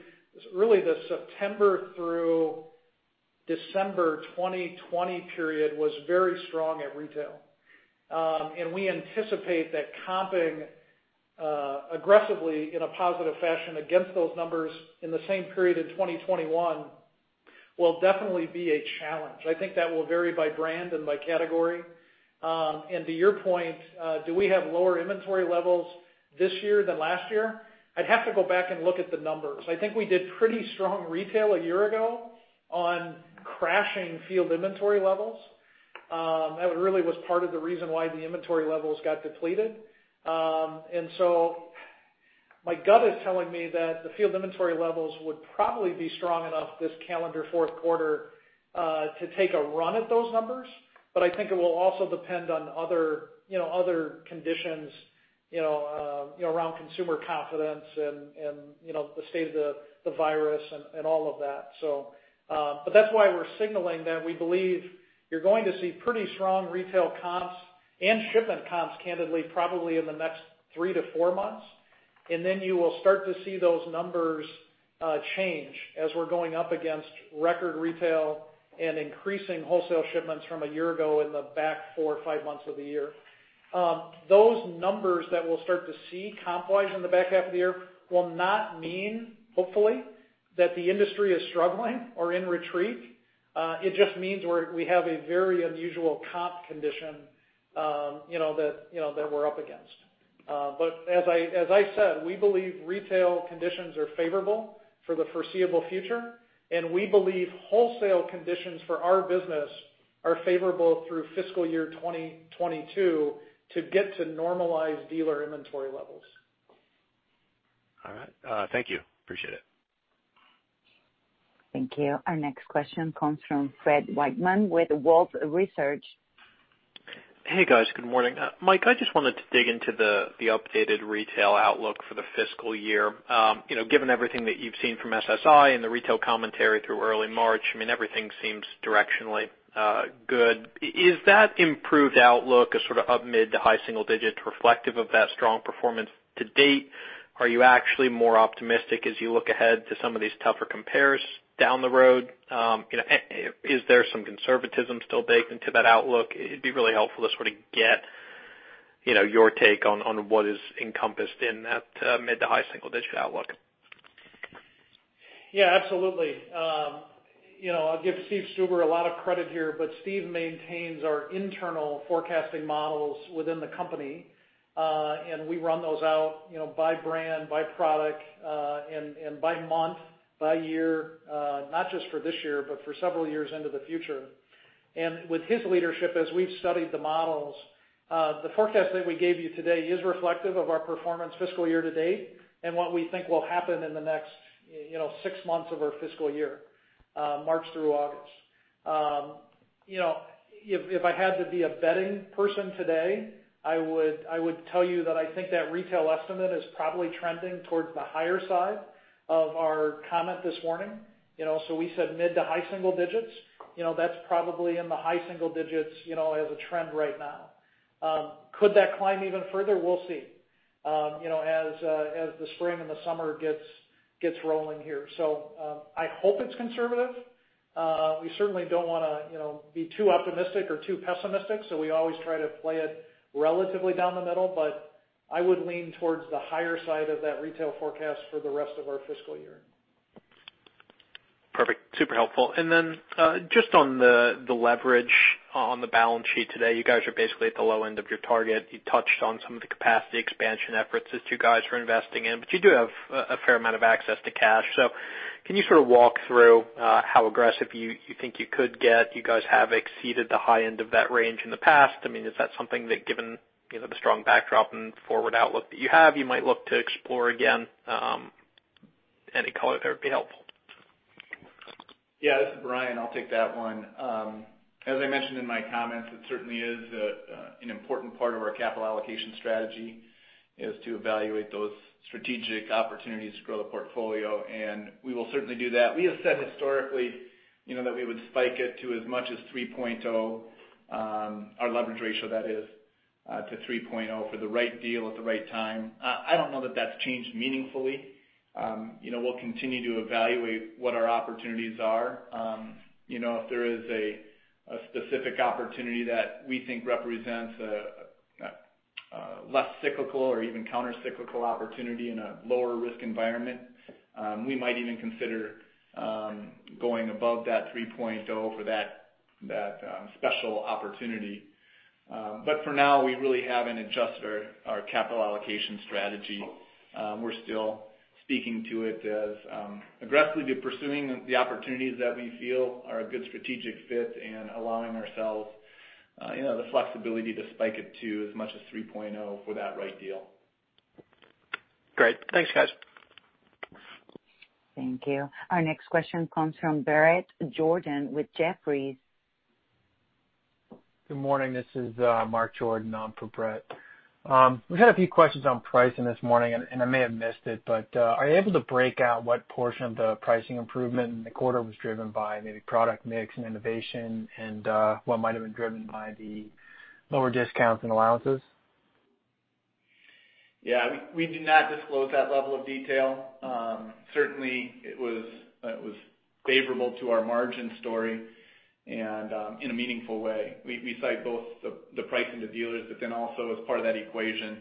really the September through December 2020 period, was very strong at retail. And we anticipate that comping aggressively in a positive fashion against those numbers in the same period in 2021 will definitely be a challenge. I think that will vary by brand and by category. And to your point, do we have lower inventory levels this year than last year? I'd have to go back and look at the numbers. I think we did pretty strong retail a year ago on crashing field inventory levels. That really was part of the reason why the inventory levels got depleted. And so my gut is telling me that the field inventory levels would probably be strong enough this calendar fourth quarter to take a run at those numbers. But I think it will also depend on other conditions around consumer confidence and the state of the virus and all of that. But that's why we're signaling that we believe you're going to see pretty strong retail comps and shipment comps, candidly, probably in the next three to four months. And then you will start to see those numbers change as we're going up against record retail and increasing wholesale shipments from a year ago in the back four or five months of the year. Those numbers that we'll start to see comp-wise in the back half of the year will not mean, hopefully, that the industry is struggling or in retreat. It just means we have a very unusual comp condition that we're up against. But as I said, we believe retail conditions are favorable for the foreseeable future. We believe wholesale conditions for our business are favorable through fiscal year 2022 to get to normalized dealer inventory levels. All right. Thank you. Appreciate it. Thank you. Our next question comes from Fred Wightman with Wolfe Research. Hey, guys. Good morning. Mike, I just wanted to dig into the updated retail outlook for the fiscal year. Given everything that you've seen from SSI and the retail commentary through early March, I mean, everything seems directionally good. Is that improved outlook a sort of up mid- to high-single-digit reflective of that strong performance to date? Are you actually more optimistic as you look ahead to some of these tougher comparatives down the road? Is there some conservatism still baked into that outlook? It'd be really helpful to sort of get your take on what is encompassed in that mid- to high-single-digit outlook. Yeah, absolutely. I'll give Steven Stuber a lot of credit here, but Steven maintains our internal forecasting models within the company. And we run those out by brand, by product, and by month, by year, not just for this year, but for several years into the future. And with his leadership, as we've studied the models, the forecast that we gave you today is reflective of our performance fiscal year to date and what we think will happen in the next six months of our fiscal year, March through August. If I had to be a betting person today, I would tell you that I think that retail estimate is probably trending towards the higher side of our comment this morning. So we said mid to high single digits. That's probably in the high single digits as a trend right now. Could that climb even further? We'll see as the spring and the summer gets rolling here. So I hope it's conservative. We certainly don't want to be too optimistic or too pessimistic. So we always try to play it relatively down the middle. But I would lean towards the higher side of that retail forecast for the rest of our fiscal year. Perfect. Super helpful. And then just on the leverage on the balance sheet today, you guys are basically at the low end of your target. You touched on some of the capacity expansion efforts that you guys are investing in, but you do have a fair amount of access to cash. So can you sort of walk through how aggressive you think you could get? You guys have exceeded the high end of that range in the past. I mean, is that something that, given the strong backdrop and forward outlook that you have, you might look to explore again? Any color there would be helpful. Yeah. This is Bryan. I'll take that one. As I mentioned in my comments, it certainly is an important part of our capital allocation strategy is to evaluate those strategic opportunities to grow the portfolio. And we will certainly do that. We have said historically that we would spike it to as much as 3.0, our leverage ratio, that is, to 3.0 for the right deal at the right time. I don't know that that's changed meaningfully. We'll continue to evaluate what our opportunities are. If there is a specific opportunity that we think represents a less cyclical or even counter-cyclical opportunity in a lower risk environment, we might even consider going above that 3.0 for that special opportunity. But for now, we really haven't adjusted our capital allocation strategy. We're still speaking to it as aggressively pursuing the opportunities that we feel are a good strategic fit and allowing ourselves the flexibility to spike it to as much as 3.0 for that right deal. Great. Thanks, guys. Thank you. Our next question comes from Bret Jordan with Jefferies. Good morning. This is Mark Jordan. I'm for Bret. We had a few questions on pricing this morning, and I may have missed it, but are you able to break out what portion of the pricing improvement in the quarter was driven by maybe product mix and innovation and what might have been driven by the lower discounts and allowances? Yeah. We do not disclose that level of detail. Certainly, it was favorable to our margin story and in a meaningful way. We cite both the pricing to dealers, but then also as part of that equation,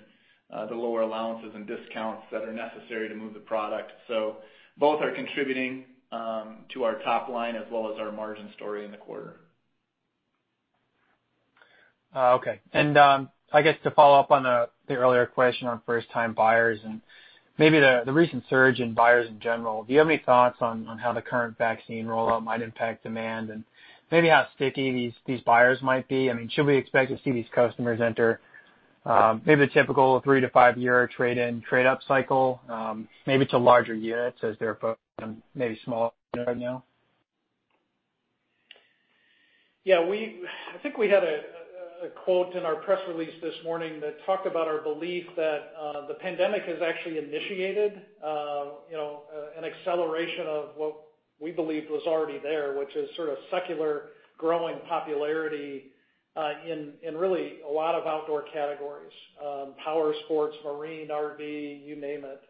the lower allowances and discounts that are necessary to move the product. So both are contributing to our top line as well as our margin story in the quarter. Okay. And I guess to follow up on the earlier question on first-time buyers and maybe the recent surge in buyers in general, do you have any thoughts on how the current vaccine rollout might impact demand and maybe how sticky these buyers might be? I mean, should we expect to see these customers enter maybe the typical three to five-year trade-in, trade-up cycle, maybe to larger units as they're maybe small right now? Yeah. I think we had a quote in our press release this morning that talked about our belief that the pandemic has actually initiated an acceleration of what we believed was already there, which is sort of secular growing popularity in really a lot of outdoor categories: powersports, marine, RV, you name it.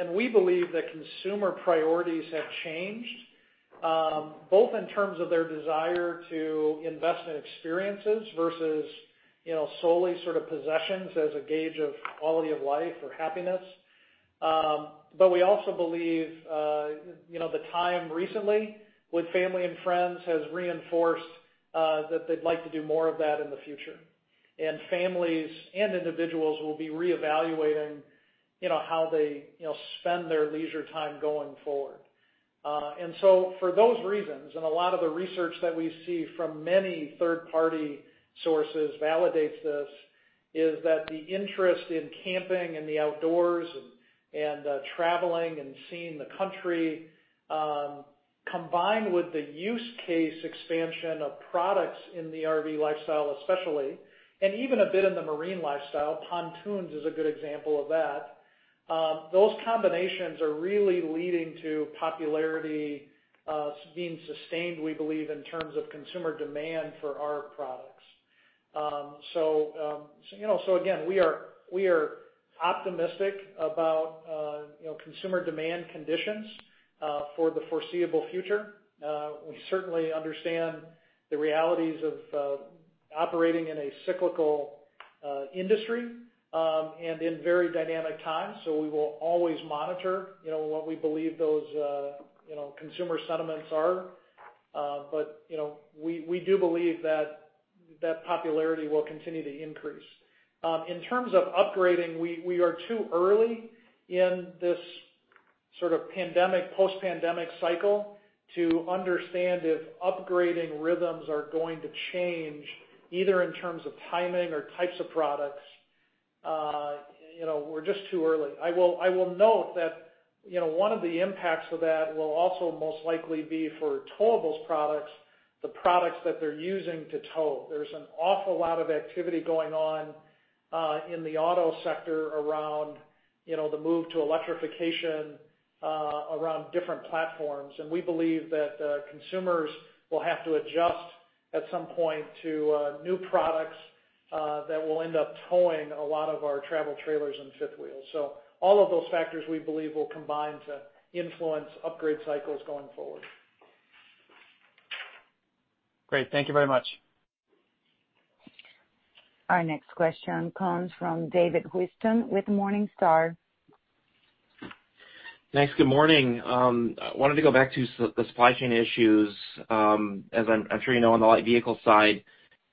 And we believe that consumer priorities have changed, both in terms of their desire to invest in experiences versus solely sort of possessions as a gauge of quality of life or happiness. But we also believe the time recently with family and friends has reinforced that they'd like to do more of that in the future. And families and individuals will be reevaluating how they spend their leisure time going forward. And so for those reasons, and a lot of the research that we see from many third-party sources validates this, is that the interest in camping and the outdoors and traveling and seeing the country combined with the use case expansion of products in the RV lifestyle, especially, and even a bit in the marine lifestyle, pontoons is a good example of that. Those combinations are really leading to popularity being sustained, we believe, in terms of consumer demand for our products. So again, we are optimistic about consumer demand conditions for the foreseeable future. We certainly understand the realities of operating in a cyclical industry and in very dynamic times. So we will always monitor what we believe those consumer sentiments are. But we do believe that that popularity will continue to increase. In terms of upgrading, we are too early in this sort of pandemic, post-pandemic cycle to understand if upgrading rhythms are going to change either in terms of timing or types of products. We're just too early. I will note that one of the impacts of that will also most likely be for towable products, the products that they're using to tow. There's an awful lot of activity going on in the auto sector around the move to electrification, around different platforms. And we believe that consumers will have to adjust at some point to new products that will end up towing a lot of our travel trailers and fifth wheels. So all of those factors we believe will combine to influence upgrade cycles going forward. Great. Thank you very much. Our next question comes from David Whiston with Morningstar. Thanks. Good morning. I wanted to go back to the supply chain issues. As I'm sure you know, on the vehicle side,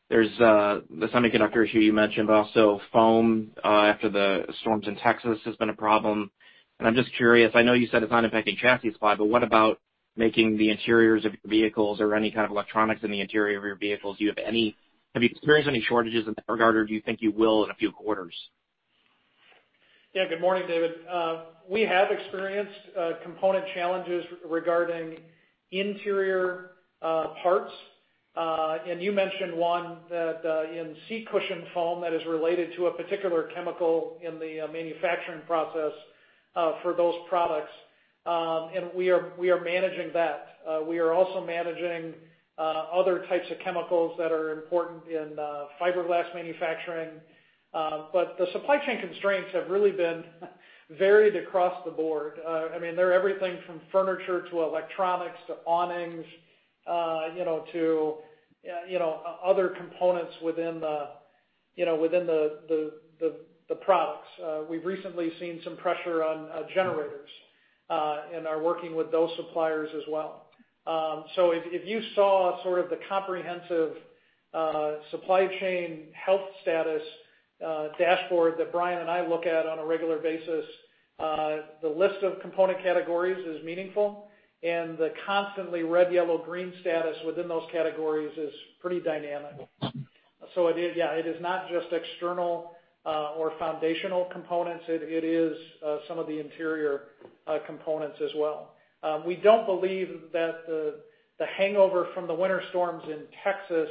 there's the semiconductor issue you mentioned, but also foam after the storms in Texas has been a problem, and I'm just curious. I know you said it's not impacting chassis supply, but what about making the interiors of your vehicles or any kind of electronics in the interior of your vehicles? Do you have any experience, any shortages in that regard, or do you think you will in a few quarters? Yeah. Good morning, David. We have experienced component challenges regarding interior parts. And you mentioned one that in seat cushion foam that is related to a particular chemical in the manufacturing process for those products. And we are managing that. We are also managing other types of chemicals that are important in fiberglass manufacturing. But the supply chain constraints have really been varied across the board. I mean, they're everything from furniture to electronics to awnings to other components within the products. We've recently seen some pressure on generators and are working with those suppliers as well. So if you saw sort of the comprehensive supply chain health status dashboard that Bryan and I look at on a regular basis, the list of component categories is meaningful. And the constantly red, yellow, green status within those categories is pretty dynamic. So yeah, it is not just external or foundational components. It is some of the interior components as well. We don't believe that the hangover from the winter storms in Texas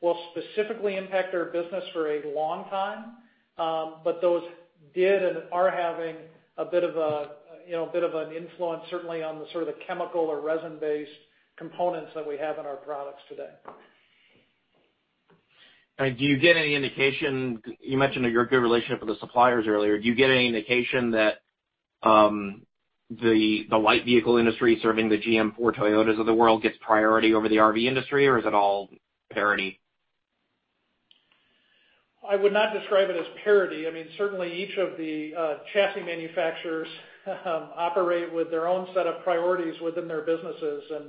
will specifically impact our business for a long time, but those did and are having a bit of an influence, certainly on the sort of the chemical or resin-based components that we have in our products today. Do you get any indication? You mentioned you're in good relationship with the suppliers earlier. Do you get any indication that the light vehicle industry serving the GM, Ford, Toyota of the world gets priority over the RV industry, or is it all parity? I would not describe it as parity. I mean, certainly each of the chassis manufacturers operate with their own set of priorities within their businesses. And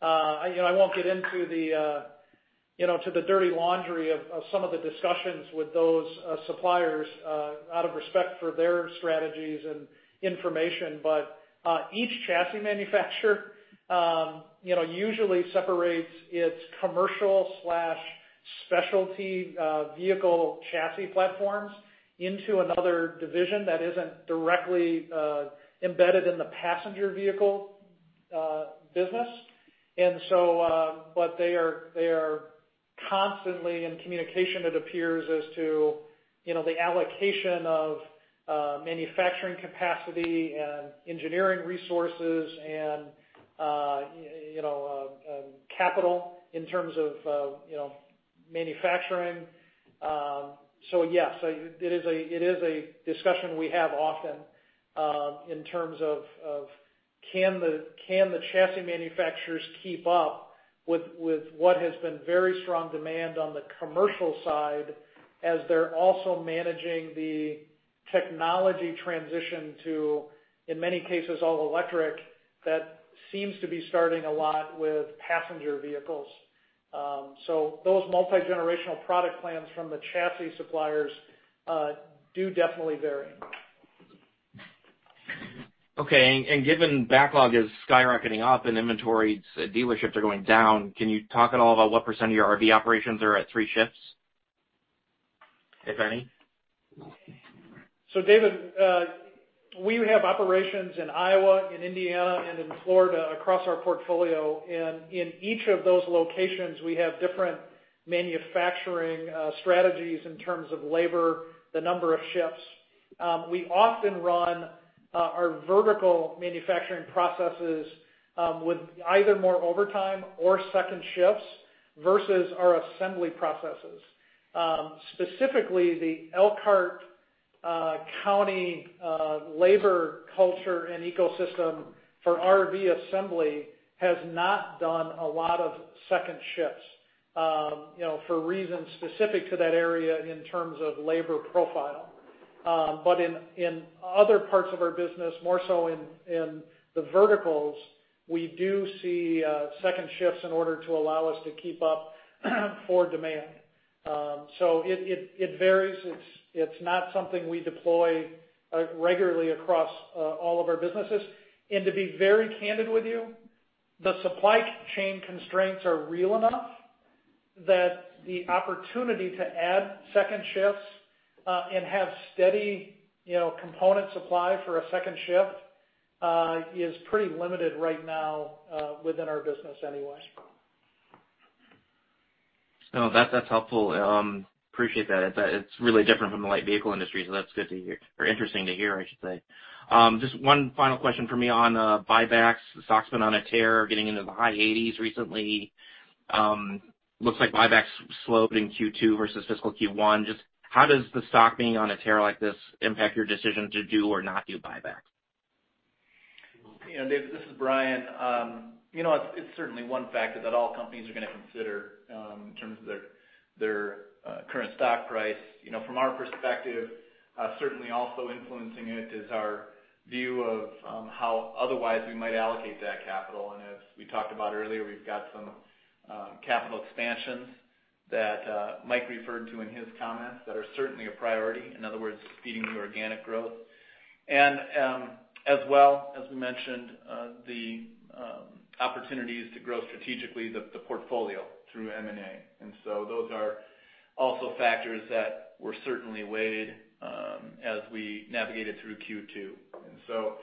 I won't get into the dirty laundry of some of the discussions with those suppliers out of respect for their strategies and information, but each chassis manufacturer usually separates its commercial/specialty vehicle chassis platforms into another division that isn't directly embedded in the passenger vehicle business. And so, but they are constantly in communication, it appears, as to the allocation of manufacturing capacity and engineering resources and capital in terms of manufacturing. So yes, it is a discussion we have often in terms of can the chassis manufacturers keep up with what has been very strong demand on the commercial side as they're also managing the technology transition to, in many cases, all electric that seems to be starting a lot with passenger vehicles. So those multi-generational product plans from the chassis suppliers do definitely vary. Okay. And given backlog is skyrocketing up and inventories at dealerships are going down, can you talk at all about what % of your RV operations are at three shifts, if any? So, David, we have operations in Iowa, in Indiana, and in Florida across our portfolio. And in each of those locations, we have different manufacturing strategies in terms of labor, the number of shifts. We often run our vertical manufacturing processes with either more overtime or second shifts versus our assembly processes. Specifically, the Elkhart County labor culture and ecosystem for RV assembly has not done a lot of second shifts for reasons specific to that area in terms of labor profile. But in other parts of our business, more so in the verticals, we do see second shifts in order to allow us to keep up for demand. So it varies. It's not something we deploy regularly across all of our businesses. To be very candid with you, the supply chain constraints are real enough that the opportunity to add second shifts and have steady component supply for a second shift is pretty limited right now within our business anyway. So that's helpful. Appreciate that. It's really different from the light vehicle industry, so that's good to hear or interesting to hear, I should say. Just one final question for me on buybacks. The stock's been on a tear getting into the high 80s recently. Looks like buybacks slowed in Q2 versus fiscal Q1. Just how does the stock being on a tear like this impact your decision to do or not do buybacks? This is Bryan. It's certainly one factor that all companies are going to consider in terms of their current stock price. From our perspective, certainly also influencing it is our view of how otherwise we might allocate that capital. And as we talked about earlier, we've got some capital expansions that Mike referred to in his comments that are certainly a priority. In other words, feeding the organic growth. And as well as we mentioned, the opportunities to grow strategically the portfolio through M&A. And so those are also factors that were certainly weighed as we navigated through Q2. And so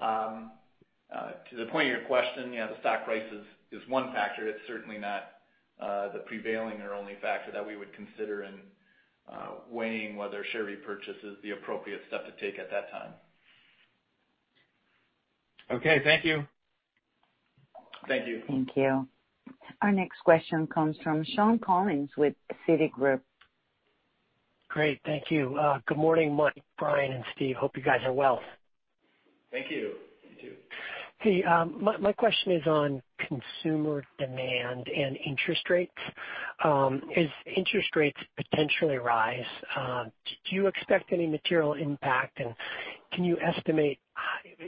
to the point of your question, yeah, the stock price is one factor. It's certainly not the prevailing or only factor that we would consider in weighing whether share repurchase is the appropriate step to take at that time. Okay. Thank you. Thank you. Thank you. Our next question comes from Shawn Collins with Citigroup. Great. Thank you. Good morning, Mike, Bryan, and Steve. Hope you guys are well. Thank you. You too. Hey, my question is on consumer demand and interest rates. As interest rates potentially rise, do you expect any material impact? And can you estimate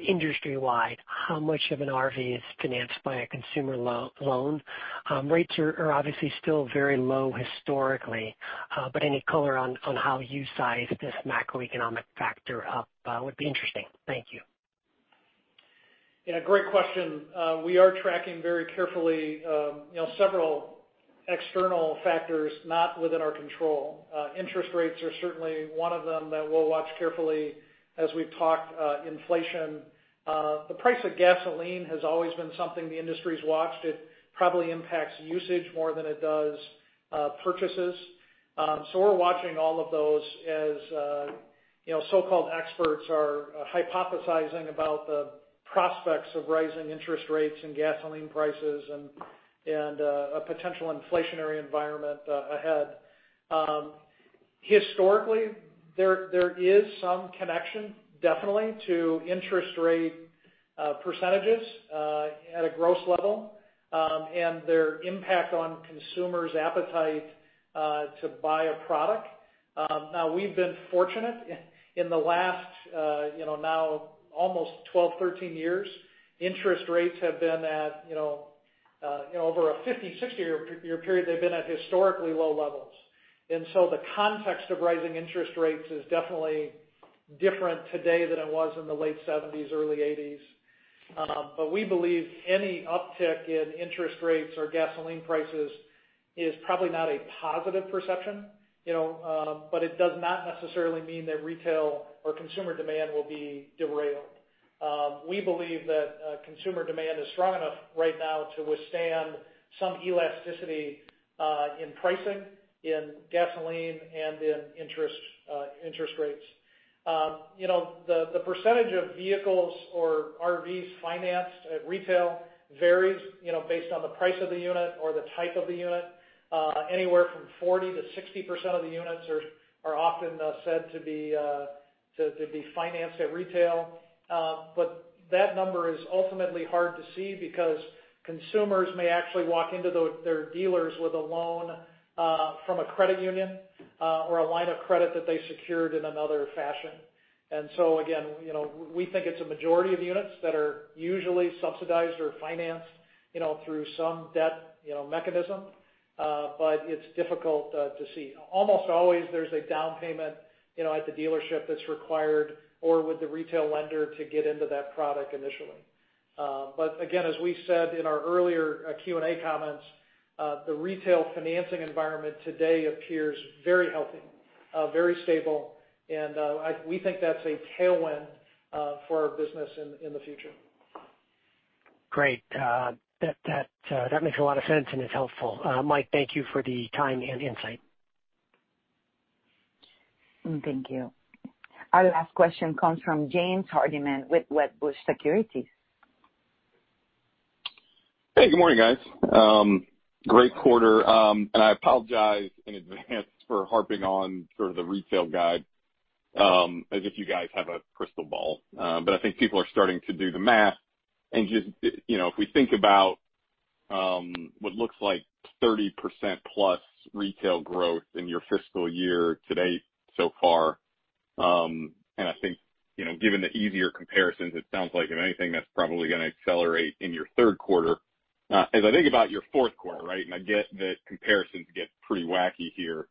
industry-wide how much of an RV is financed by a consumer loan? Rates are obviously still very low historically, but any color on how you size this macroeconomic factor up would be interesting. Thank you. Yeah. Great question. We are tracking very carefully several external factors not within our control. Interest rates are certainly one of them that we'll watch carefully as we've talked inflation. The price of gasoline has always been something the industry's watched. It probably impacts usage more than it does purchases. So we're watching all of those as so-called experts are hypothesizing about the prospects of rising interest rates and gasoline prices and a potential inflationary environment ahead. Historically, there is some connection definitely to interest rate percentages at a gross level and their impact on consumers' appetite to buy a product. Now, we've been fortunate in the last now almost 12, 13 years, interest rates have been at over a 50, 60-year period, they've been at historically low levels. And so the context of rising interest rates is definitely different today than it was in the late 70s, early 80s. But we believe any uptick in interest rates or gasoline prices is probably not a positive perception, but it does not necessarily mean that retail or consumer demand will be derailed. We believe that consumer demand is strong enough right now to withstand some elasticity in pricing in gasoline and in interest rates. The percentage of vehicles or RVs financed at retail varies based on the price of the unit or the type of the unit. Anywhere from 40%-60% of the units are often said to be financed at retail. But that number is ultimately hard to see because consumers may actually walk into their dealers with a loan from a credit union or a line of credit that they secured in another fashion. And so again, we think it's a majority of units that are usually subsidized or financed through some debt mechanism, but it's difficult to see. Almost always, there's a down payment at the dealership that's required or with the retail lender to get into that product initially. But again, as we said in our earlier Q&A comments, the retail financing environment today appears very healthy, very stable. And we think that's a tailwind for our business in the future. Great. That makes a lot of sense and is helpful. Mark, thank you for the time and insight. Thank you. Our last question comes from James Hardiman with Wedbush Securities. Hey, good morning, guys. Great quarter. And I apologize in advance for harping on the retail guide as if you guys have a crystal ball. But I think people are starting to do the math. And just if we think about what looks like 30% plus retail growth in your fiscal year to date so far, and I think given the easier comparisons, it sounds like if anything, that's probably going to accelerate in your third quarter. As I think about your fourth quarter, right, and I get that comparisons get pretty wacky here,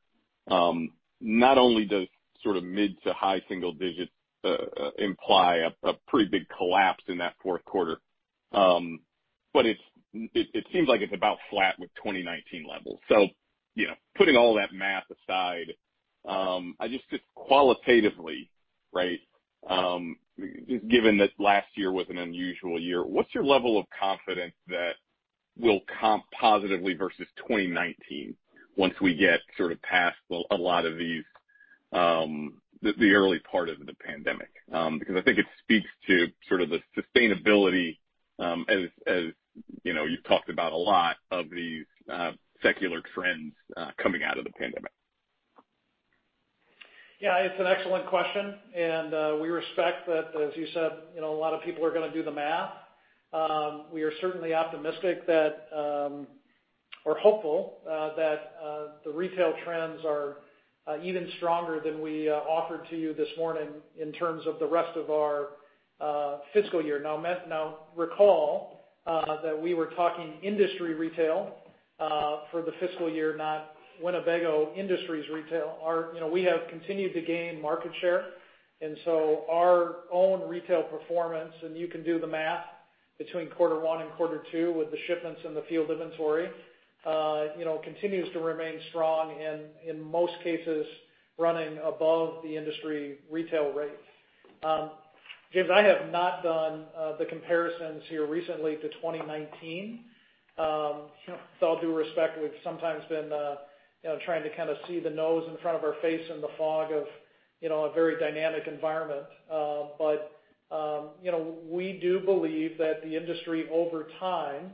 not only does sort of mid to high single digits imply a pretty big collapse in that fourth quarter, but it seems like it's about flat with 2019 levels. So putting all that math aside, I just qualitatively, right, given that last year was an unusual year, what's your level of confidence that will comp positively versus 2019 once we get sort of past a lot of the early part of the pandemic? Because I think it speaks to sort of the sustainability as you've talked about a lot of these secular trends coming out of the pandemic. Yeah, it's an excellent question. And we respect that, as you said, a lot of people are going to do the math. We are certainly optimistic that, or hopeful that, the retail trends are even stronger than we offered to you this morning in terms of the rest of our fiscal year. Now, recall that we were talking industry retail for the fiscal year, not Winnebago Industries retail. We have continued to gain market share. And so our own retail performance, and you can do the math between quarter one and quarter two with the shipments and the field inventory, continues to remain strong and in most cases running above the industry retail rates. James, I have not done the comparisons here recently to 2019. So I'll defer. We've sometimes been trying to kind of see the nose in front of our face in the fog of a very dynamic environment. But we do believe that the industry over time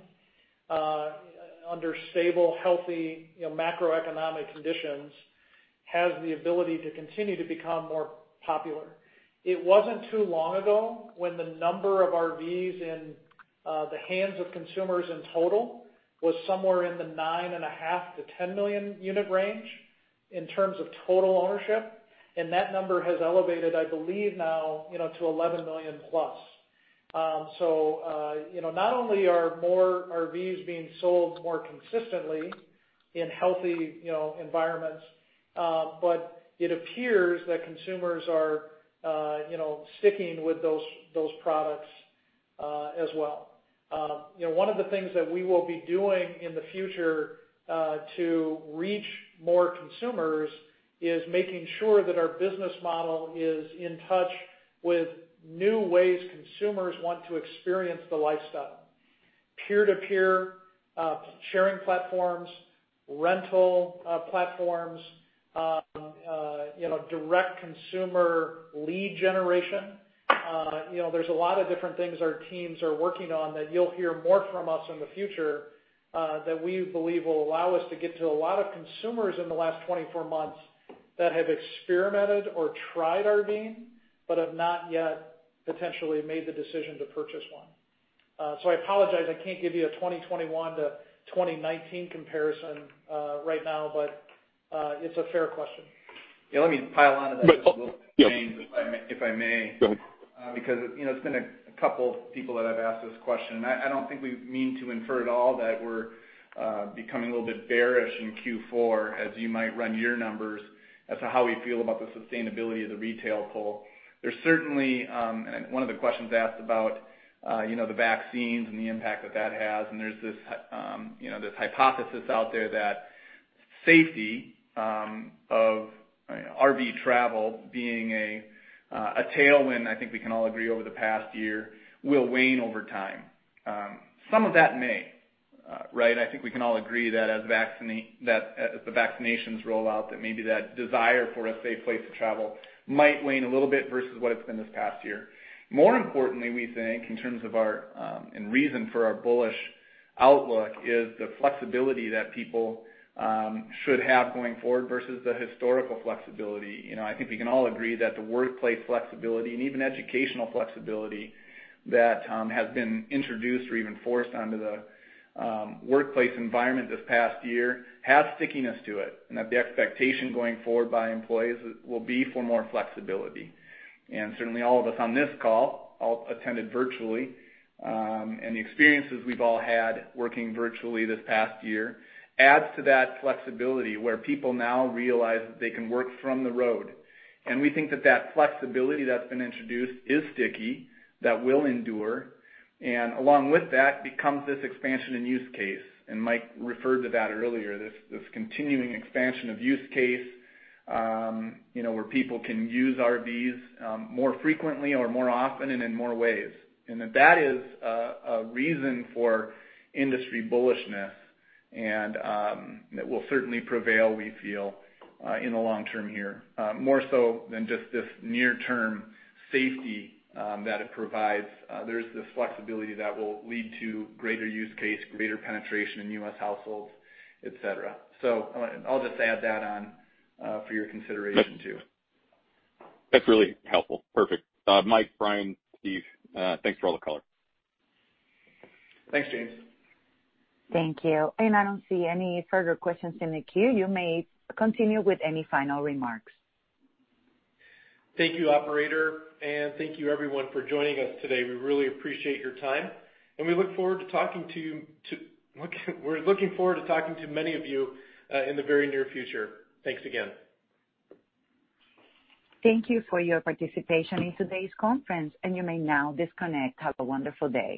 under stable, healthy macroeconomic conditions has the ability to continue to become more popular. It wasn't too long ago when the number of RVs in the hands of consumers in total was somewhere in the 9.5-10 million unit range in terms of total ownership, and that number has elevated, I believe, now to 11 million plus, so not only are more RVs being sold more consistently in healthy environments, but it appears that consumers are sticking with those products as well. One of the things that we will be doing in the future to reach more consumers is making sure that our business model is in touch with new ways consumers want to experience the lifestyle: peer-to-peer sharing platforms, rental platforms, direct consumer lead generation. There's a lot of different things our teams are working on that you'll hear more from us in the future that we believe will allow us to get to a lot of consumers in the last 24 months that have experimented or tried RVing but have not yet potentially made the decision to purchase one. So I apologize. I can't give you a 2021 to 2019 comparison right now, but it's a fair question. Yeah. Let me pile onto that just a little bit, James, if I may, because it's been a couple of people that I've asked this question. And I don't think we mean to infer at all that we're becoming a little bit bearish in Q4 as you might run your numbers as to how we feel about the sustainability of the retail pull. There's certainly one of the questions asked about the vaccines and the impact that that has. And there's this hypothesis out there that safety of RV travel being a tailwind, I think we can all agree over the past year, will wane over time. Some of that may, right? I think we can all agree that as the vaccinations roll out, that maybe that desire for a safe place to travel might wane a little bit versus what it's been this past year. More importantly, we think in terms of the reason for our bullish outlook is the flexibility that people should have going forward versus the historical flexibility. I think we can all agree that the workplace flexibility and even educational flexibility that has been introduced or even forced onto the workplace environment this past year has stickiness to it, and that the expectation going forward by employees will be for more flexibility. Certainly, all of us on this call we all attended virtually, and the experiences we've all had working virtually this past year adds to that flexibility where people now realize that they can work from the road. We think that that flexibility that's been introduced is sticky, that will endure, and along with that, it becomes this expansion in use case. Mike referred to that earlier, this continuing expansion of use case where people can use RVs more frequently or more often and in more ways. That is a reason for industry bullishness. It will certainly prevail, we feel, in the long term here, more so than just this near-term safety that it provides. There's this flexibility that will lead to greater use case, greater penetration in U.S. households, etc. I'll just add that on for your consideration too. That's really helpful. Perfect. Mike, Bryan, Steve, thanks for all the color. Thanks, James. Thank you. And I don't see any further questions in the queue. You may continue with any final remarks. Thank you, operator. And thank you, everyone, for joining us today. We really appreciate your time. And we look forward to talking to you. We're looking forward to talking to many of you in the very near future. Thanks again. Thank you for your participation in today's conference. And you may now disconnect. Have a wonderful day.